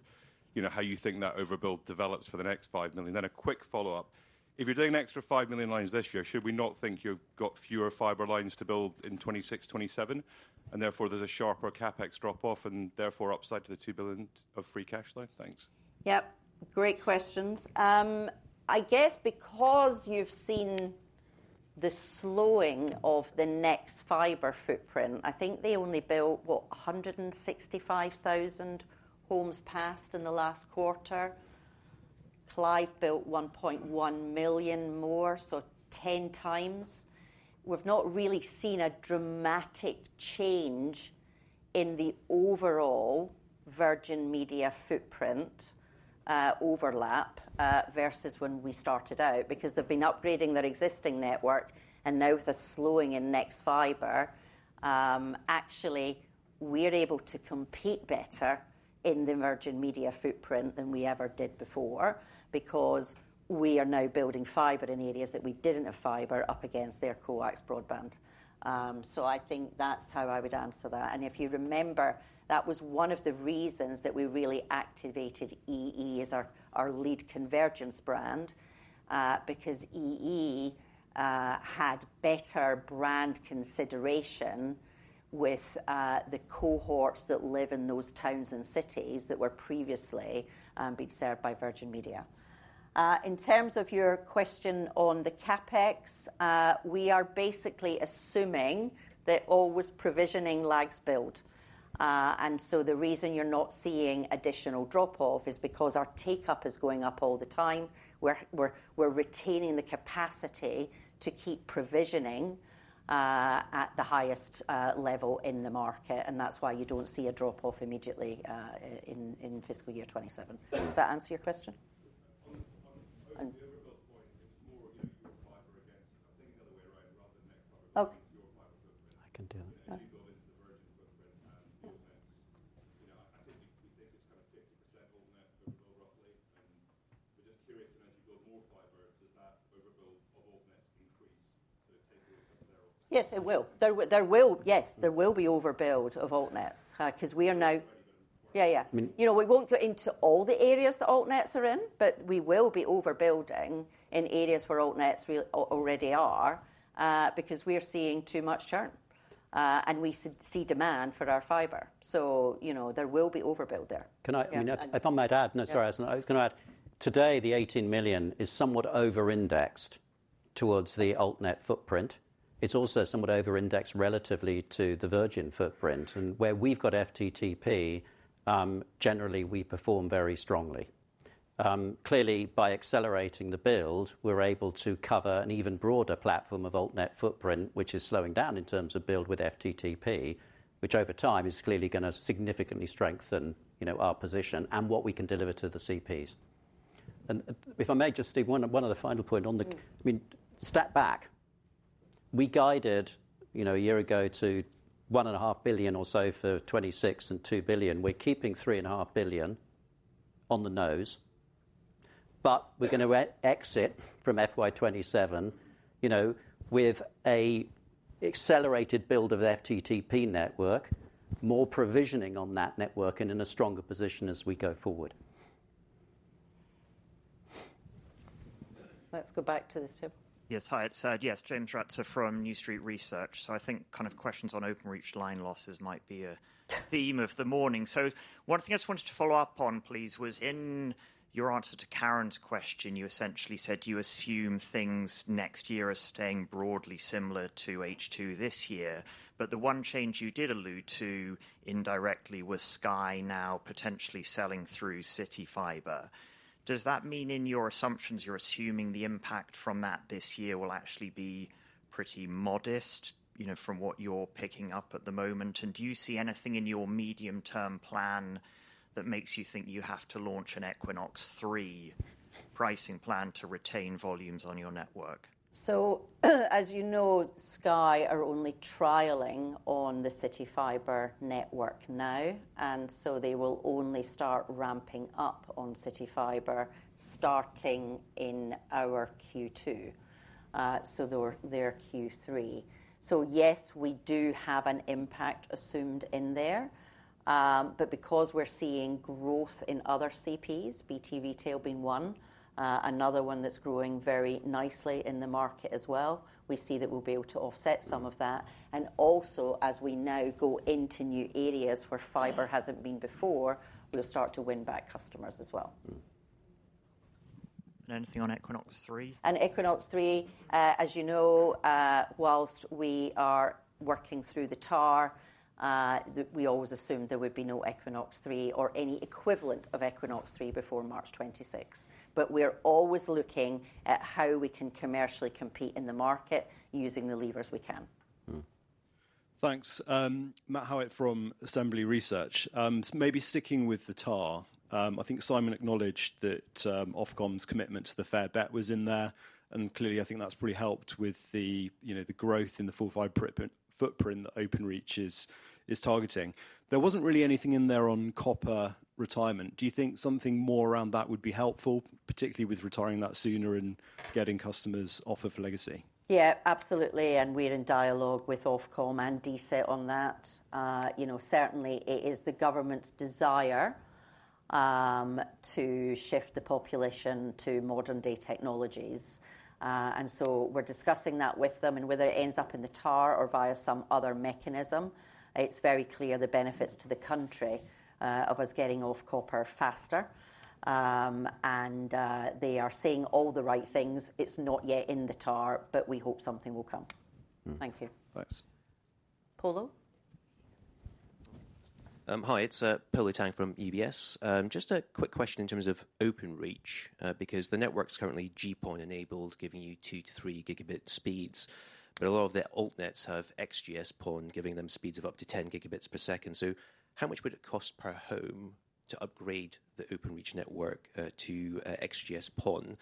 how you think that overbuild develops for the next 5 million? A quick follow-up. If you're doing an extra 5 million lines this year, should we not think you've got fewer fiber lines to build in 2026, 2027? Therefore, there's a sharper CapEx drop-off and therefore upside to the 2 billion of free cash line? Thanks. Yep. Great questions. I guess because you've seen the slowing of the next fiber footprint, I think they only built, what, 165,000 homes passed in the last quarter. Clive built 1.1 million more, so 10x. We've not really seen a dramatic change in the overall Virgin Media footprint overlap versus when we started out because they've been upgrading their existing network. Now with the slowing in next fiber, actually, we're able to compete better in the Virgin Media footprint than we ever did before because we are now building fiber in areas that we didn't have fiber up against their coax broadband. I think that's how I would answer that. If you remember, that was one of the reasons that we really activated EE as our lead convergence brand because EE had better brand consideration with the cohorts that live in those towns and cities that were previously being served by Virgin Media. In terms of your question on the CapEx, we are basically assuming that all was provisioning lags build. The reason you're not seeing additional drop-off is because our take-up is going up all the time. We're retaining the capacity to keep provisioning at the highest level in the market. That's why you don't see a drop-off immediately in fiscal year 2027. Does that answer your question? On the overbuild point, it's more your fiber against, I think, the other way around, rather than next fiber against your fiber footprint. I can do that. As you build into the Virgin footprint, AltNets, I think we think it's kind of 50% AltNet overbuild, roughly. We're just curious, as you build more fiber, does that overbuild of AltNets increase sort of takeaways of their AltNets? Yes, it will. Yes, there will be overbuild of AltNets because we are now. Yeah, yeah. We will not get into all the areas that AltNets are in, but we will be overbuilding in areas where AltNets already are because we are seeing too much churn. We see demand for our fiber. There will be overbuild there. If I may add, no, sorry, I was going to add, today, the 18 million is somewhat over-indexed towards the AltNet footprint. It is also somewhat over-indexed relative to the Virgin footprint. Where we have FTTP, generally, we perform very strongly. Clearly, by accelerating the build, we are able to cover an even broader platform of AltNet footprint, which is slowing down in terms of build with FTTP, which over time is clearly going to significantly strengthen our position and what we can deliver to the CPs. If I may just, Steve, one other final point on the, I mean, step back. We guided a year ago to 1.5 billion or so for 2026 and 2 billion. We're keeping 3.5 billion on the nose. We're going to exit from FY 2027 with an accelerated build of the FTTP network, more provisioning on that network, and in a stronger position as we go forward. Let's go back to this table. Yes. Hi. It's, yes, James Ratzer from New Street Research. I think kind of questions on Openreach line losses might be a theme of the morning. One thing I just wanted to follow up on, please, was in your answer to Karen's question, you essentially said you assume things next year are staying broadly similar to H2 this year. The one change you did allude to indirectly was Sky now potentially selling through CityFibre. Does that mean in your assumptions, you're assuming the impact from that this year will actually be pretty modest from what you're picking up at the moment? Do you see anything in your medium-term plan that makes you think you have to launch an Equinix 3 pricing plan to retain volumes on your network? As you know, Sky are only trialing on the CityFibre network now. They will only start ramping up on CityFibre starting in our Q2, their Q3. Yes, we do have an impact assumed in there. Because we're seeing growth in other CPs, BT retail being one, another one that's growing very nicely in the market as well, we see that we'll be able to offset some of that. Also, as we now go into new areas where fiber has not been before, we will start to win back customers as well. Anything on Equinix 3? Equinix 3, as you know, whilst we are working through the TAR, we always assumed there would be no Equinix 3 or any equivalent of Equinix 3 before March 26. We are always looking at how we can commercially compete in the market using the levers we can. Thanks. Matt Howett from Assembly Research. Maybe sticking with the TAR, I think Simon acknowledged that Ofcom's commitment to the fair bet was in there. Clearly, I think that has really helped with the growth in the full fiber footprint that Openreach is targeting. There was not really anything in there on copper retirement. Do you think something more around that would be helpful, particularly with retiring that sooner and getting customers off of legacy? Yeah, absolutely. We're in dialogue with Ofcom and DSIT on that. Certainly, it is the government's desire to shift the population to modern-day technologies. We're discussing that with them. Whether it ends up in the TAR or via some other mechanism, it's very clear the benefits to the country of us getting off copper faster. They are seeing all the right things. It's not yet in the TAR, but we hope something will come. Thank you. Thanks. Polo? Hi, it's Polo Tang from UBS. Just a quick question in terms of Openreach because the network's currently GPoE-enabled, giving you 2-3 gigabit speeds. A lot of the AltNets have XGS PON, giving them speeds of up to 10 gigabits per second. How much would it cost per home to upgrade the Openreach network to XGS PON?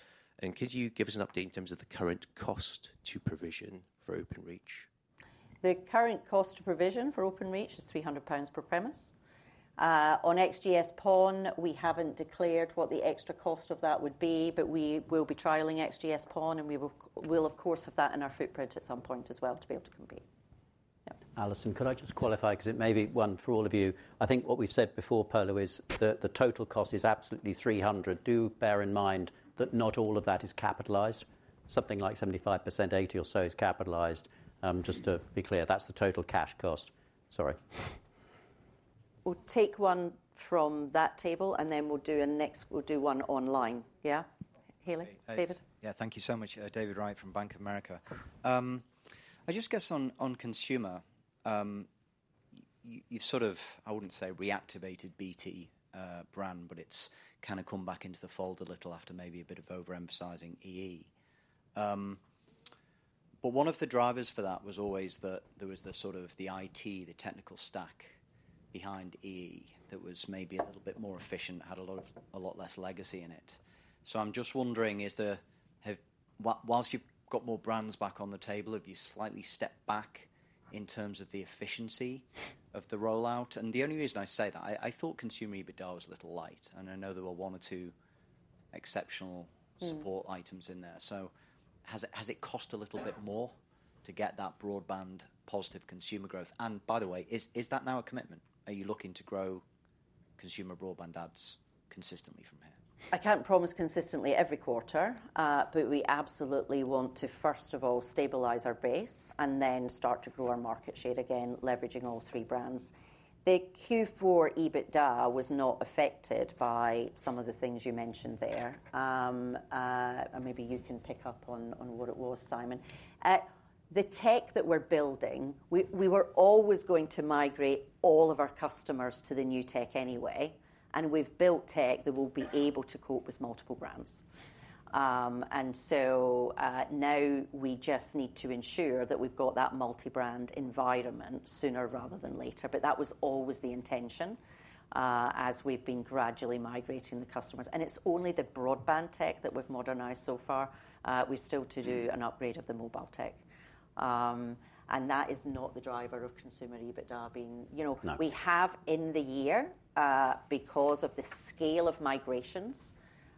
Could you give us an update in terms of the current cost to provision for Openreach? The current cost to provision for Openreach is 300 pounds per premise. On XGS PON, we have not declared what the extra cost of that would be, but we will be trialing XGS PON. We will, of course, have that in our footprint at some point as well to be able to compete. Yep. Alison, could I just qualify because it may be one for all of you? I think what we have said before, Polo, is that the total cost is absolutely 300. Do bear in mind that not all of that is capitalized. Something like 75%-80% or so is capitalized. Just to be clear, that is the total cash cost. Sorry. We will take one from that table, and then we will do a next, we will do one online. Yeah? Healy, David? Yeah. Thank you so much. David Wright from Bank of America. I just guess on consumer, you've sort of, I wouldn't say reactivated BT brand, but it's kind of come back into the fold a little after maybe a bit of overemphasizing EE. One of the drivers for that was always that there was the sort of the IT, the technical stack behind EE that was maybe a little bit more efficient, had a lot less legacy in it. I'm just wondering, whilst you've got more brands back on the table, have you slightly stepped back in terms of the efficiency of the rollout? The only reason I say that, I thought consumer EBITDA was a little light. I know there were one or two exceptional support items in there. Has it cost a little bit more to get that broadband positive consumer growth? By the way, is that now a commitment? Are you looking to grow consumer broadband ads consistently from here? I can't promise consistently every quarter, but we absolutely want to, first of all, stabilize our base and then start to grow our market share again, leveraging all three brands. The Q4 EBITDA was not affected by some of the things you mentioned there. Maybe you can pick up on what it was, Simon. The tech that we're building, we were always going to migrate all of our customers to the new tech anyway. We have built tech that will be able to cope with multiple brands. Now we just need to ensure that we have that multi-brand environment sooner rather than later. That was always the intention as we have been gradually migrating the customers. It is only the broadband tech that we have modernized so far. We're still to do an upgrade of the mobile tech. That is not the driver of consumer EBITDA being. We have in the year, because of the scale of migrations,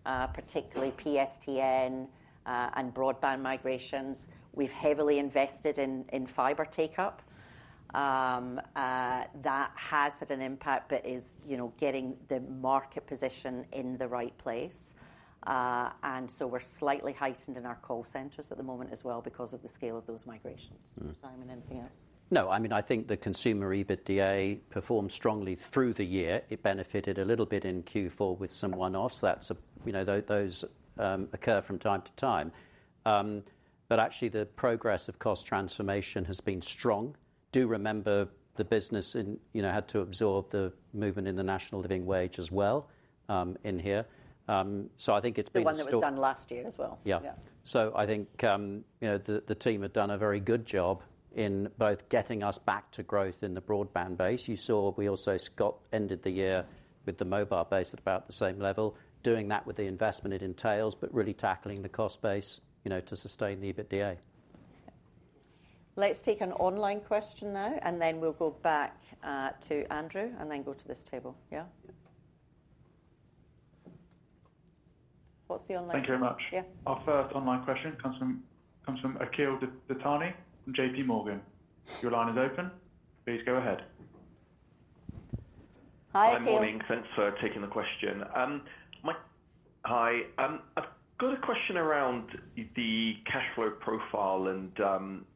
particularly PSTN and broadband migrations, we've heavily invested in fiber take-up. That has had an impact but is getting the market position in the right place. We're slightly heightened in our call centers at the moment as well because of the scale of those migrations. Simon, anything else? No, I mean, I think the consumer EBITDA performed strongly through the year. It benefited a little bit in Q4 with some one-offs. Those occur from time to time. Actually, the progress of cost transformation has been strong. Do remember the business had to absorb the movement in the national living wage as well in here. I think it's been. The one that was done last year as well. Yeah. I think the team have done a very good job in both getting us back to growth in the broadband base. You saw we also ended the year with the mobile base at about the same level, doing that with the investment it entails, but really tackling the cost base to sustain the EBITDA. Let's take an online question now, and then we'll go back to Andrew and then go to this table. Yeah? What's the online? Thank you very much. Yeah. Our first online question comes from Akhil Dattani from JPMorgan. Your line is open. Please go ahead. Hi, Akhil. Good morning. Thanks for taking the question. Hi. I've got a question around the cash flow profile and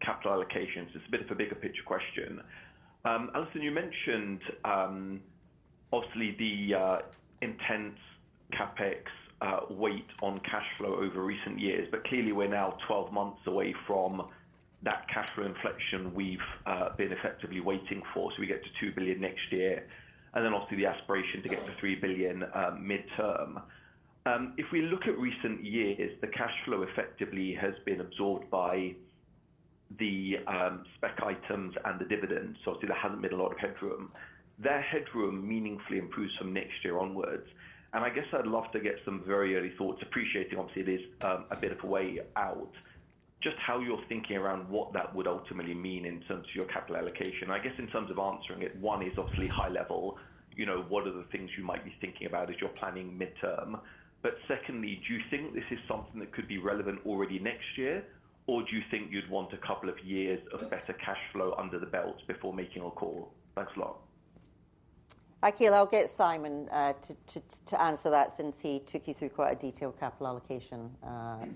capital allocations. It's a bit of a bigger picture question. Alison, you mentioned obviously the intense CapEx weight on cash flow over recent years. Clearly, we're now 12 months away from that cash flow inflection we've been effectively waiting for. We get to 2 billion next year. Then obviously the aspiration to get to 3 billion midterm. If we look at recent years, the cash flow effectively has been absorbed by the spec items and the dividends. Obviously, there hasn't been a lot of headroom. That headroom meaningfully improves from next year onwards. I guess I'd love to get some very early thoughts, appreciating obviously there's a bit of a way out. Just how you're thinking around what that would ultimately mean in terms of your capital allocation. I guess in terms of answering it, one is obviously high level. What are the things you might be thinking about as you're planning midterm? Secondly, do you think this is something that could be relevant already next year? Or do you think you'd want a couple of years of better cash flow under the belt before making a call? Thanks a lot. Akhil, I'll get Simon to answer that since he took you through quite a detailed capital allocation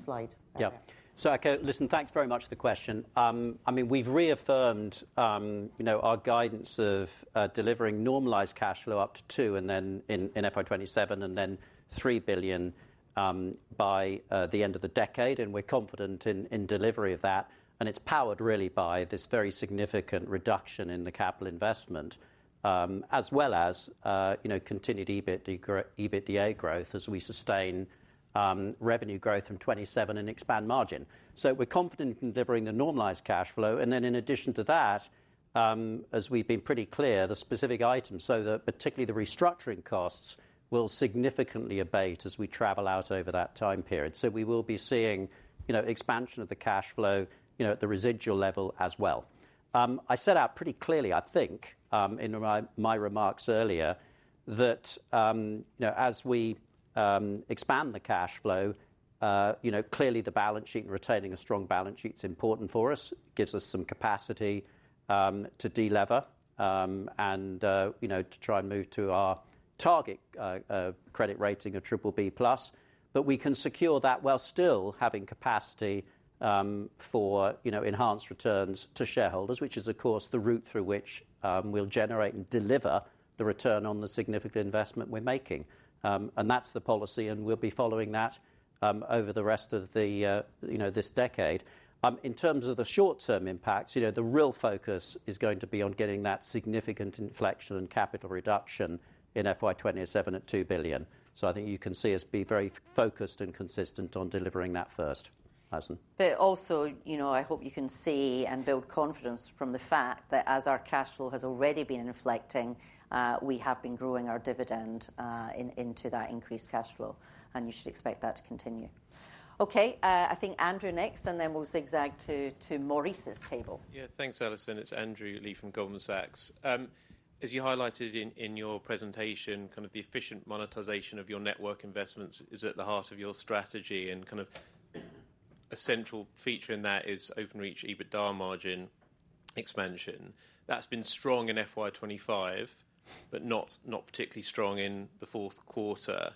slide. Yeah. Akhil, listen, thanks very much for the question. I mean, we've reaffirmed our guidance of delivering normalized cash flow up to 2 billion and then in fiscal year 2027 and then 3 billion by the end of the decade. We're confident in delivery of that. It's powered really by this very significant reduction in the capital investment, as well as continued EBITDA growth as we sustain revenue growth from 2027 and expand margin. We're confident in delivering the normalized cash flow. In addition to that, as we've been pretty clear, the specific items, particularly the restructuring costs, will significantly abate as we travel out over that time period. We will be seeing expansion of the cash flow at the residual level as well. I set out pretty clearly, I think, in my remarks earlier, that as we expand the cash flow, clearly the balance sheet and retaining a strong balance sheet is important for us. It gives us some capacity to delever and to try and move to our target credit rating of BBB plus. We can secure that while still having capacity for enhanced returns to shareholders, which is, of course, the route through which we'll generate and deliver the return on the significant investment we're making. That is the policy, and we'll be following that over the rest of this decade. In terms of the short-term impacts, the real focus is going to be on getting that significant inflection and capital reduction in FY 2027 at 2 billion. I think you can see us be very focused and consistent on delivering that first, Alison. I hope you can see and build confidence from the fact that as our cash flow has already been inflecting, we have been growing our dividend into that increased cash flow. You should expect that to continue. Okay. I think Andrew next, and then we'll zigzag to Maurice's table. Yeah. Thanks, Alison. It's Andrew Lee from Goldman Sachs. As you highlighted in your presentation, kind of the efficient monetization of your network investments is at the heart of your strategy. A central feature in that is Openreach EBITDA margin expansion. That's been strong in FY 2025, but not particularly strong in the fourth quarter,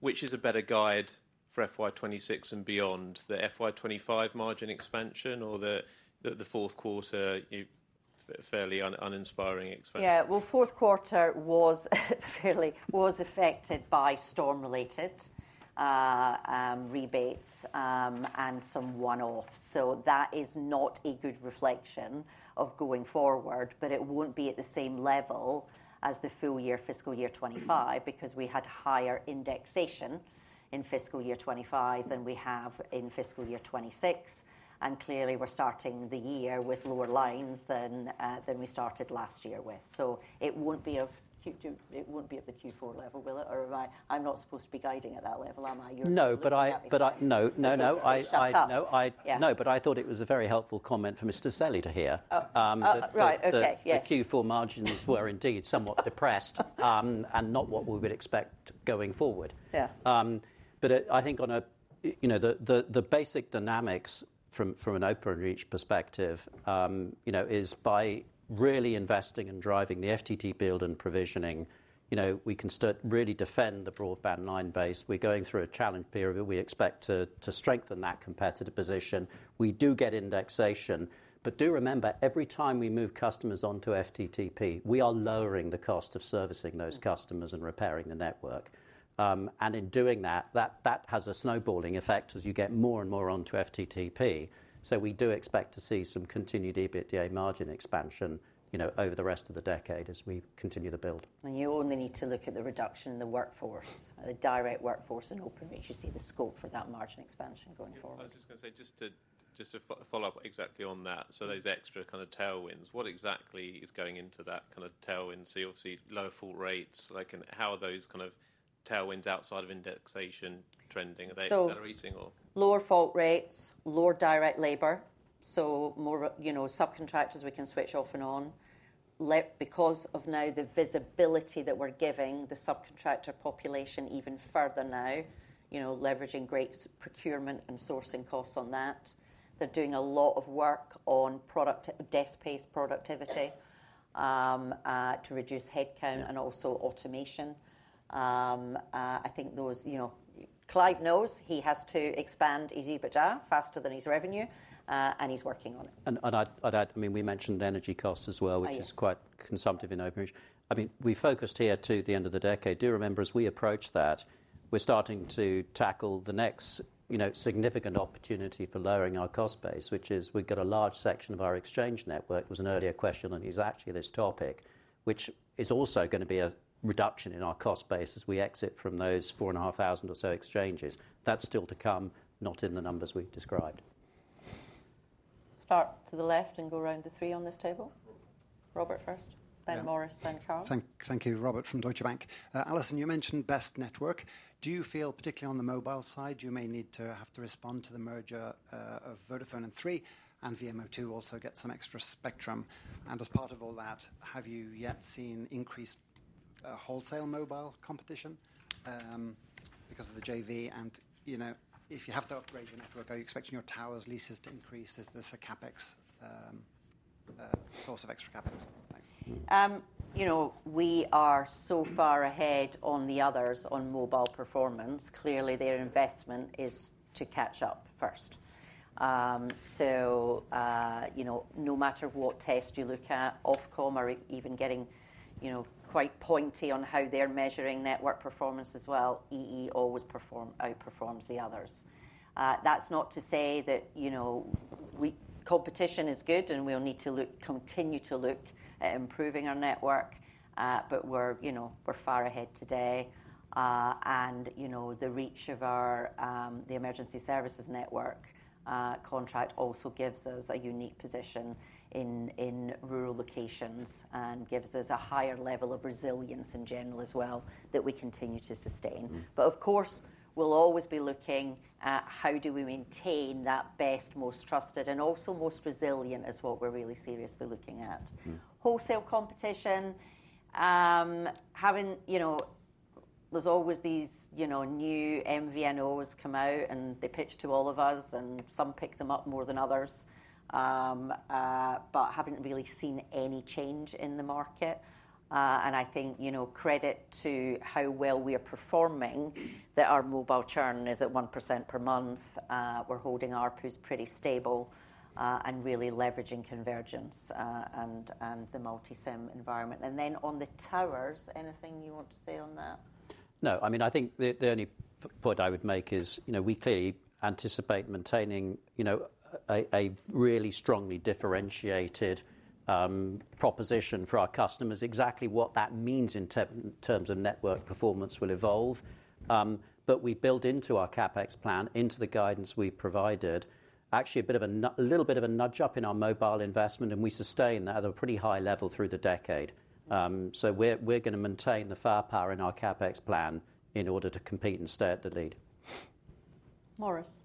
which is a better guide for FY 2026 and beyond. The FY 2025 margin expansion or the fourth quarter fairly uninspiring expansion? Yeah. Fourth quarter was affected by storm-related rebates and some one-offs. That is not a good reflection of going forward. It will not be at the same level as the full year fiscal year 2025 because we had higher indexation in fiscal year 2025 than we have in fiscal year 2026. Clearly, we're starting the year with lower lines than we started last year with. It will not be at the Q4 level, will it? Or am I not supposed to be guiding at that level, am I? No, but I... No, no, no. No, but I thought it was a very helpful comment for Mr. Lee to hear. Right. Okay. Yeah. The Q4 margins were indeed somewhat depressed and not what we would expect going forward. Yeah. I think on the basic dynamics from an Openreach perspective is by really investing and driving the FTTP build and provisioning, we can really defend the broadband line base. We're going through a challenge period. We expect to strengthen that competitive position. We do get indexation. Do remember, every time we move customers onto FTTP, we are lowering the cost of servicing those customers and repairing the network. In doing that, that has a snowballing effect as you get more and more onto FTTP. We do expect to see some continued EBITDA margin expansion over the rest of the decade as we continue to build. You only need to look at the reduction in the workforce, the direct workforce in Openreach. You see the scope for that margin expansion going forward. I was just going to say, just to follow up exactly on that. Those extra kind of tailwinds, what exactly is going into that kind of tailwind? Obviously, lower fault rates. How are those kind of tailwinds outside of indexation trending? Are they accelerating or? Lower fault rates, lower direct labor. More subcontractors we can switch off and on. Because of now the visibility that we're giving the subcontractor population even further now, leveraging great procurement and sourcing costs on that. They're doing a lot of work on desk-based productivity to reduce headcount and also automation. I think those... Clive knows he has to expand his EBITDA faster than his revenue, and he's working on it. I mean, we mentioned energy costs as well, which is quite consumptive in Openreach. I mean, we focused here to the end of the decade. Do remember, as we approach that, we're starting to tackle the next significant opportunity for lowering our cost base, which is we've got a large section of our exchange network. It was an earlier question, and it's actually this topic, which is also going to be a reduction in our cost base as we exit from those 4,500 or so exchanges. That's still to come, not in the numbers we've described. Start to the left and go around to three on this table. Robert first, then Maurice, then Carl. Thank you. Robert from Deutsche Bank. Alison, you mentioned best network. Do you feel, particularly on the mobile side, you may need to have to respond to the merger of Vodafone and Three and VMO2 also get some extra spectrum? As part of all that, have you yet seen increased wholesale mobile competition because of the JV? If you have to upgrade your network, are you expecting your tower leases to increase? Is this a source of extra CapEx? Thanks. We are so far ahead of the others on mobile performance. Clearly, their investment is to catch up first. No matter what test you look at, Ofcom are even getting quite pointy on how they are measuring network performance as well. EE always outperforms the others. That is not to say that competition is not good and we will need to continue to look at improving our network. We are far ahead today. The reach of our emergency services network contract also gives us a unique position in rural locations and gives us a higher level of resilience in general as well that we continue to sustain. Of course, we'll always be looking at how do we maintain that best, most trusted, and also most resilient is what we're really seriously looking at. Wholesale competition. There's always these new MVNOs come out, and they pitch to all of us, and some pick them up more than others, but haven't really seen any change in the market. I think credit to how well we are performing that our mobile churn is at 1% per month. We're holding ARPUs pretty stable and really leveraging convergence and the multi-SIM environment. On the towers, anything you want to say on that? No. I mean, I think the only point I would make is we clearly anticipate maintaining a really strongly differentiated proposition for our customers, exactly what that means in terms of network performance will evolve. We build into our CapEx plan, into the guidance we've provided, actually a little bit of a nudge up in our mobile investment, and we sustain that at a pretty high level through the decade. We are going to maintain the firepower in our CapEx plan in order to compete and stay at the lead. Maurice.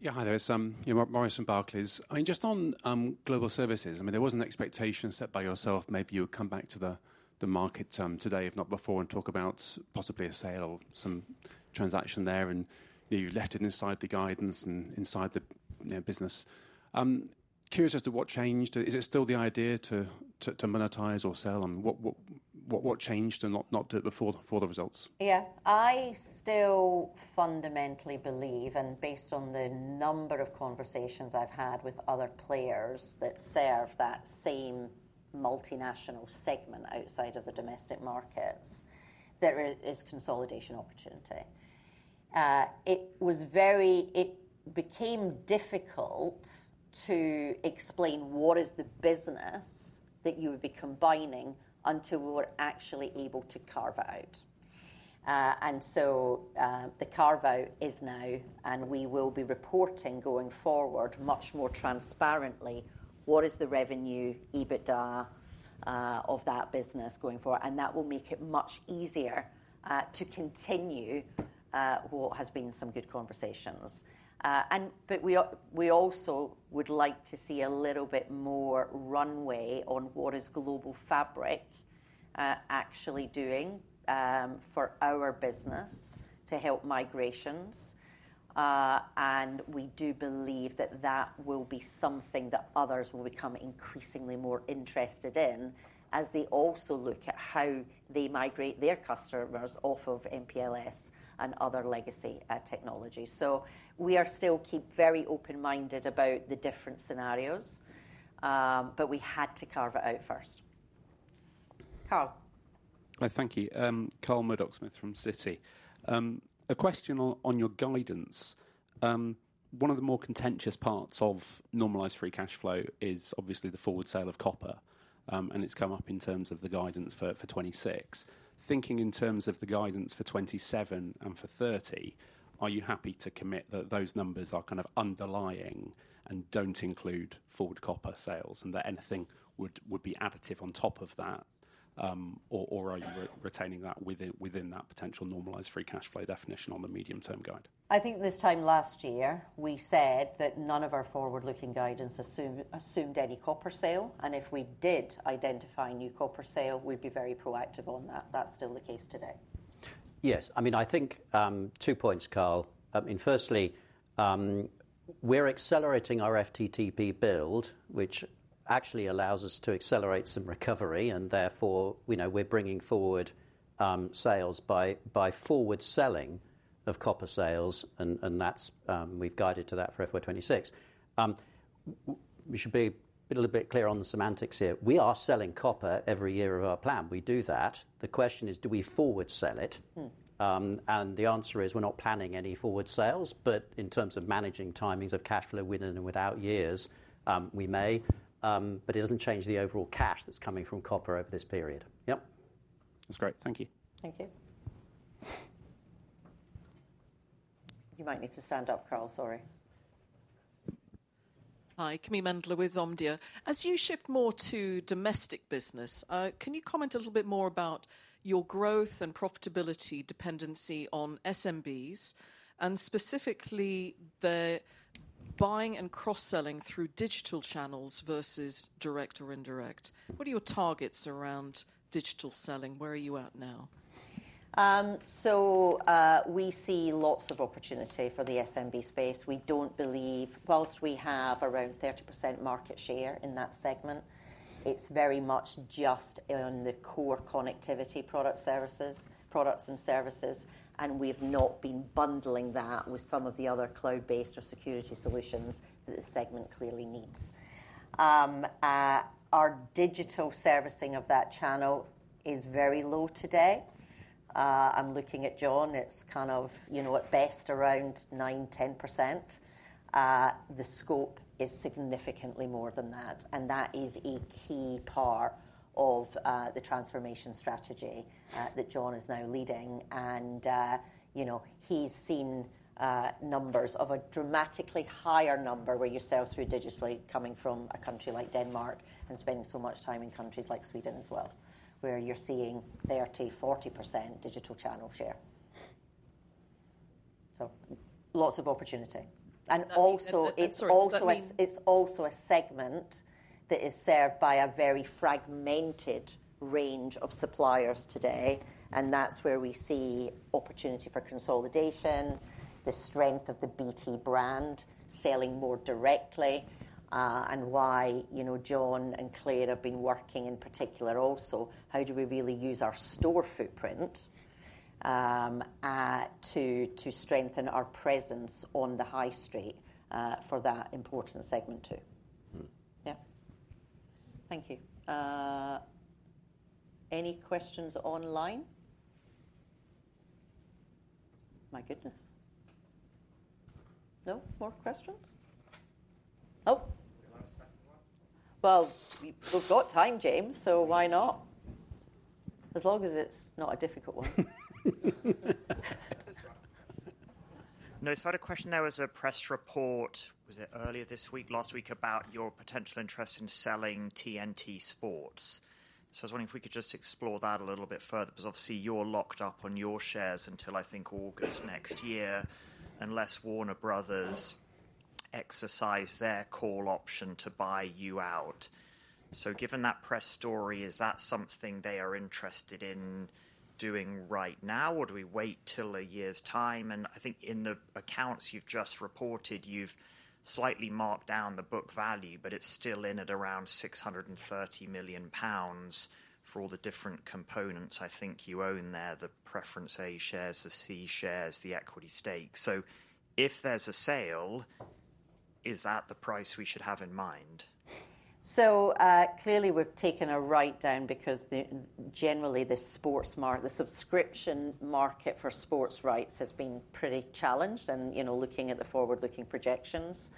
Yeah. Hi there. It's Maurice from Barclays. I mean, just on global services, I mean, there was an expectation set by yourself, maybe you would come back to the market today, if not before, and talk about possibly a sale or some transaction there. You left it inside the guidance and inside the business. Curious as to what changed. Is it still the idea to monetize or sell? And what changed and not do it for the results? Yeah. I still fundamentally believe, and based on the number of conversations I've had with other players that serve that same multinational segment outside of the domestic markets, there is consolidation opportunity. It became difficult to explain what is the business that you would be combining until we were actually able to carve out. The carve-out is now, and we will be reporting going forward much more transparently what is the revenue EBITDA of that business going forward. That will make it much easier to continue what has been some good conversations. We also would like to see a little bit more runway on what is Global Fabric actually doing for our business to help migrations. We do believe that that will be something that others will become increasingly more interested in as they also look at how they migrate their customers off of MPLS and other legacy technologies. We still keep very open-minded about the different scenarios, but we had to carve it out first. Carl. Thank you. Carl Murdock-Smith from Citi. A question on your guidance. One of the more contentious parts of normalized free cash flow is obviously the forward sale of copper. It has come up in terms of the guidance for 2026. Thinking in terms of the guidance for 2027 and for 2030, are you happy to commit that those numbers are kind of underlying and do not include forward copper sales and that anything would be additive on top of that? Are you retaining that within that potential normalized free cash flow definition on the medium-term guide? I think this time last year, we said that none of our forward-looking guidance assumed any copper sale. If we did identify new copper sale, we'd be very proactive on that. That's still the case today. Yes. I mean, I think two points, Carl. Firstly, we're accelerating our FTTP build, which actually allows us to accelerate some recovery. Therefore, we're bringing forward sales by forward selling of copper sales. We've guided to that for FY 2026. We should be a little bit clear on the semantics here. We are selling copper every year of our plan. We do that. The question is, do we forward sell it? The answer is we're not planning any forward sales. In terms of managing timings of cash flow within and without years, we may. It does not change the overall cash that is coming from copper over this period. Yep. That is great. Thank you. Thank you. You might need to stand up, Carl. Sorry. Hi. Camille Mendler, from OMDIA. As you shift more to domestic business, can you comment a little bit more about your growth and profitability dependency on SMBs and specifically the buying and cross-selling through digital channels versus direct or indirect? What are your targets around digital selling? Where are you at now? We see lots of opportunity for the SMB space. We do not believe, whilst we have around 30% market share in that segment, it is very much just on the core connectivity product services, products and services. We've not been bundling that with some of the other cloud-based or security solutions that the segment clearly needs. Our digital servicing of that channel is very low today. I'm looking at John. It's kind of at best around 9%-10%. The scope is significantly more than that. That is a key part of the transformation strategy that John is now leading. He's seen numbers of a dramatically higher number where you sell through digitally coming from a country like Denmark and spending so much time in countries like Sweden as well, where you're seeing 30%-40% digital channel share. Lots of opportunity. Also, it's a segment that is served by a very fragmented range of suppliers today. That is where we see opportunity for consolidation, the strength of the BT brand selling more directly, and why John and Claire have been working in particular also. How do we really use our store footprint to strengthen our presence on the high street for that important segment too? Yeah. Thank you. Any questions online? My goodness. No more questions? Oh. We have time, James, so why not? As long as it is not a difficult one. No, I had a question there as a press report. Was it earlier this week, last week about your potential interest in selling TNT Sports? I was wondering if we could just explore that a little bit further because obviously, you are locked up on your shares until I think August next year unless Warner Bros. exercise their call option to buy you out. Given that press story, is that something they are interested in doing right now, or do we wait till a year's time? I think in the accounts you have just reported, you have slightly marked down the book value, but it is still in at around 630 million pounds for all the different components I think you own there, the preference A shares, the C shares, the equity stakes. If there is a sale, is that the price we should have in mind? Clearly, we have taken a write-down because generally, the sports market, the subscription market for sports rights has been pretty challenged. Looking at the forward-looking projections,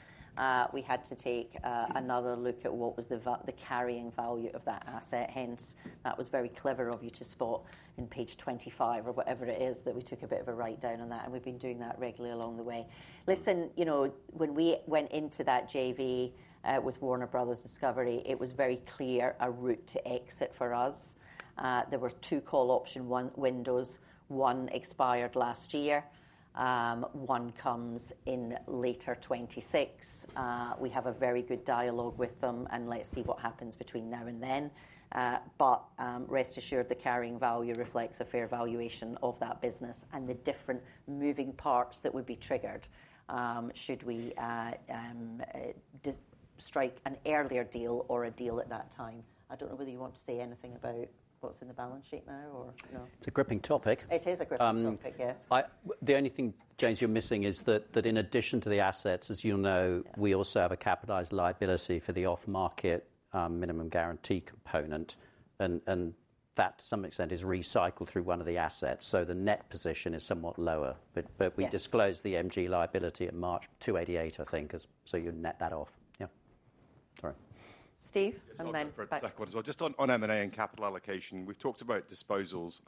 we had to take another look at what was the carrying value of that asset. That was very clever of you to spot in page 25 or whatever it is that we took a bit of a write-down on that. We have been doing that regularly along the way. Listen, when we went into that JV with Warner Bros. Discovery, it was very clear a route to exit for us. There were two call option windows. One expired last year. One comes in later 2026. We have a very good dialogue with them, and let's see what happens between now and then. Rest assured, the carrying value reflects a fair valuation of that business and the different moving parts that would be triggered should we strike an earlier deal or a deal at that time. I do not know whether you want to say anything about what is in the balance sheet now or no? It is a gripping topic. It is a gripping topic, yes. The only thing, James, you're missing is that in addition to the assets, as you know, we also have a capitalized liability for the off-market minimum guarantee component. That, to some extent, is recycled through one of the assets. The net position is somewhat lower. We disclosed the MG liability at March 288 million, I think, so you net that off. Yeah. Sorry. Steve? And then back. Just on M&A and capital allocation, we've talked about disposals.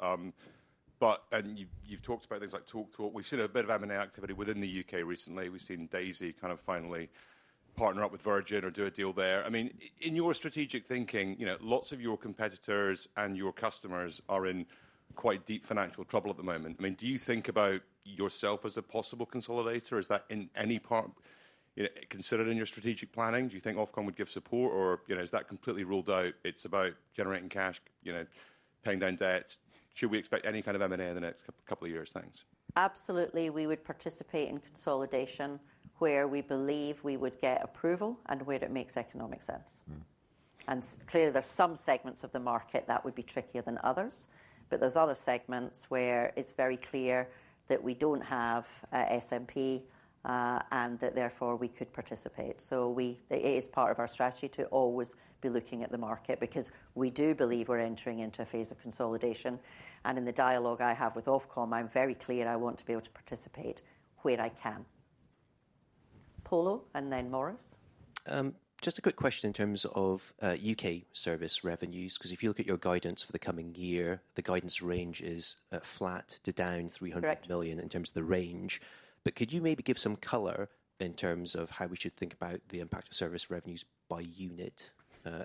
You've talked about things like TalkTalk. We've seen a bit of M&A activity within the U.K. recently. We've seen Daisy kind of finally partner up with Virgin or do a deal there. I mean, in your strategic thinking, lots of your competitors and your customers are in quite deep financial trouble at the moment. I mean, do you think about yourself as a possible consolidator? Is that in any part considered in your strategic planning? Do you think Ofcom would give support, or is that completely ruled out? It's about generating cash, paying down debts. Should we expect any kind of M&A in the next couple of years' things? Absolutely. We would participate in consolidation where we believe we would get approval and where it makes economic sense. Clearly, there are some segments of the market that would be trickier than others. There are other segments where it's very clear that we do not have SMP and that therefore we could participate. It is part of our strategy to always be looking at the market because we do believe we are entering into a phase of consolidation. In the dialogue I have with Ofcom, I am very clear I want to be able to participate where I can. Paulo, and then Maurice. Just a quick question in terms of U.K. service revenues, because if you look at your guidance for the coming year, the guidance range is flat to down 300 million in terms of the range. Could you maybe give some color in terms of how we should think about the impact of service revenues by unit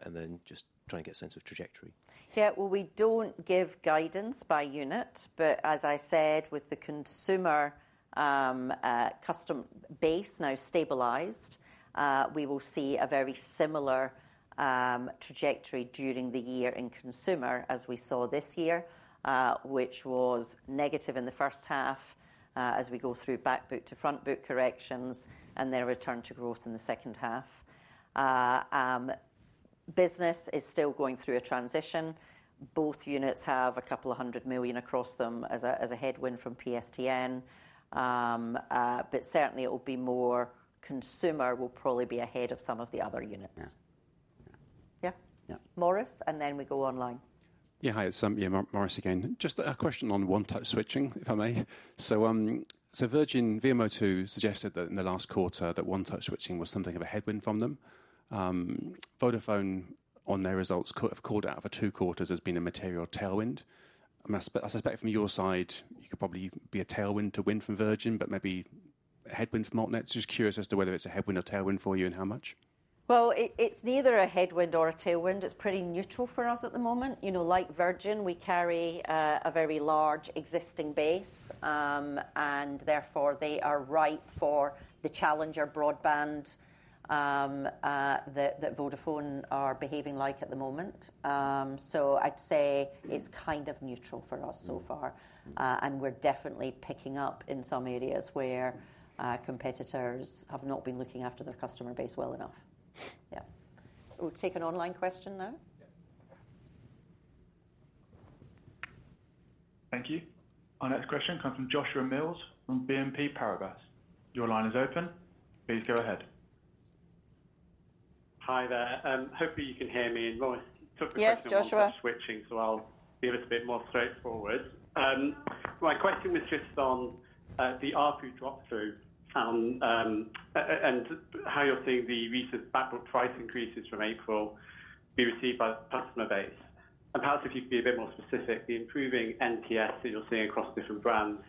and then just try and get a sense of trajectory? Yeah. We do not give guidance by unit. As I said, with the consumer customer base now stabilized, we will see a very similar trajectory during the year in consumer as we saw this year, which was negative in the first half as we go through backboot to frontboot corrections and then return to growth in the second half. Business is still going through a transition. Both units have a couple of hundred million across them as a headwind from PSTN. Certainly, it will be more consumer will probably be ahead of some of the other units. Yeah. Yeah. Maurice, and then we go online. Yeah. Hi. It's Maurice again. Just a question on one-touch switching, if I may. Virgin VMO2 suggested that in the last quarter that one-touch switching was something of a headwind from them. Vodafone on their results have called out for two quarters as being a material tailwind. I suspect from your side, you could probably be a tailwind to win from Virgin, but maybe a headwind from AltNet. Just curious as to whether it's a headwind or tailwind for you and how much. It is neither a headwind nor a tailwind. It is pretty neutral for us at the moment. Like Virgin, we carry a very large existing base. Therefore, they are ripe for the challenger broadband that Vodafone are behaving like at the moment. I'd say it's kind of neutral for us so far. We're definitely picking up in some areas where competitors have not been looking after their customer base well enough. Yeah. We'll take an online question now. Thank you. Our next question comes from Joshua Mills from BNP Paribas. Your line is open. Please go ahead. Hi there. Hopefully, you can hear me. Maurice, it's a tough question about the backward switching, so I'll be a little bit more straightforward. My question was just on the ARPU drop-through and how you're seeing the recent backward price increases from April be received by the customer base. Perhaps if you could be a bit more specific, the improving NTS that you're seeing across different brands,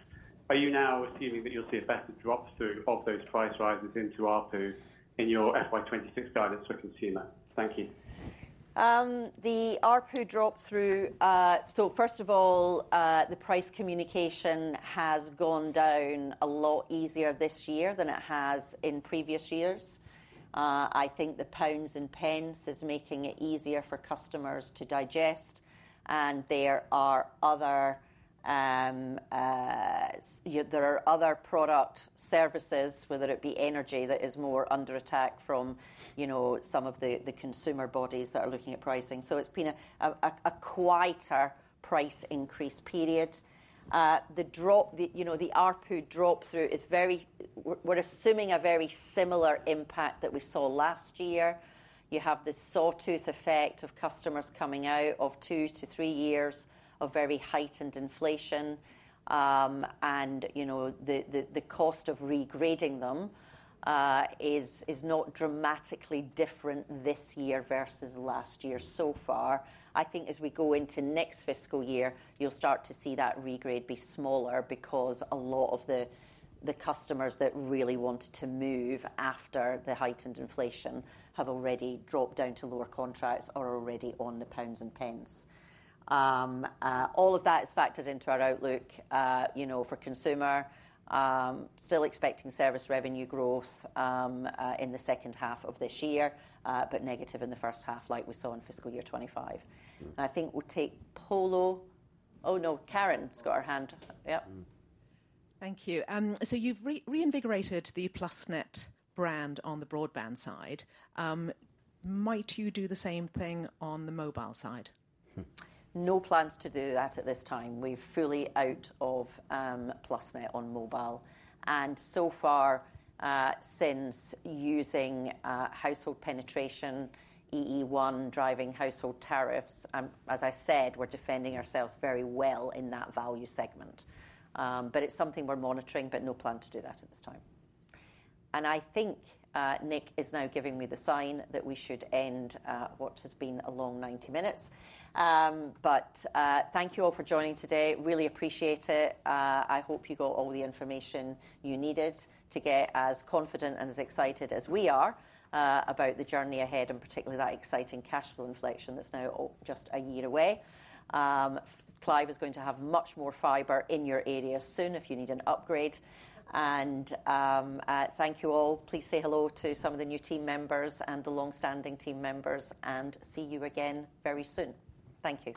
are you now assuming that you'll see a better drop-through of those price rises into ARPU in your FY 2026 guidance for consumer? Thank you. The ARPU drop-through, first of all, the price communication has gone down a lot easier this year than it has in previous years. I think the pounds and pence is making it easier for customers to digest. There are other product services, whether it be energy, that is more under attack from some of the consumer bodies that are looking at pricing. It has been a quieter price increase period. The ARPU drop-through is very—we're assuming a very similar impact that we saw last year. You have the sawtooth effect of customers coming out of two to three years of very heightened inflation. The cost of regrading them is not dramatically different this year versus last year so far. I think as we go into next fiscal year, you'll start to see that regrade be smaller because a lot of the customers that really want to move after the heightened inflation have already dropped down to lower contracts or are already on the pounds and pence. All of that is factored into our outlook for consumer. Still expecting service revenue growth in the second half of this year, but negative in the first half like we saw in fiscal year 2025. I think we'll take Paulo. Oh, no, Karen's got her hand. Yeah. Thank you. You've reinvigorated the PlusNet brand on the broadband side. Might you do the same thing on the mobile side? No plans to do that at this time. We're fully out of PlusNet on mobile. So far, since using household penetration, EE1 driving household tariffs, as I said, we're defending ourselves very well in that value segment. It is something we're monitoring, but no plan to do that at this time. I think Nick is now giving me the sign that we should end what has been a long 90 minutes. Thank you all for joining today. Really appreciate it. I hope you got all the information you needed to get as confident and as excited as we are about the journey ahead and particularly that exciting cash flow inflection that is now just a year away. Clive is going to have much more fiber in your area soon if you need an upgrade. Thank you all. Please say hello to some of the new team members and the long-standing team members. See you again very soon. Thank you.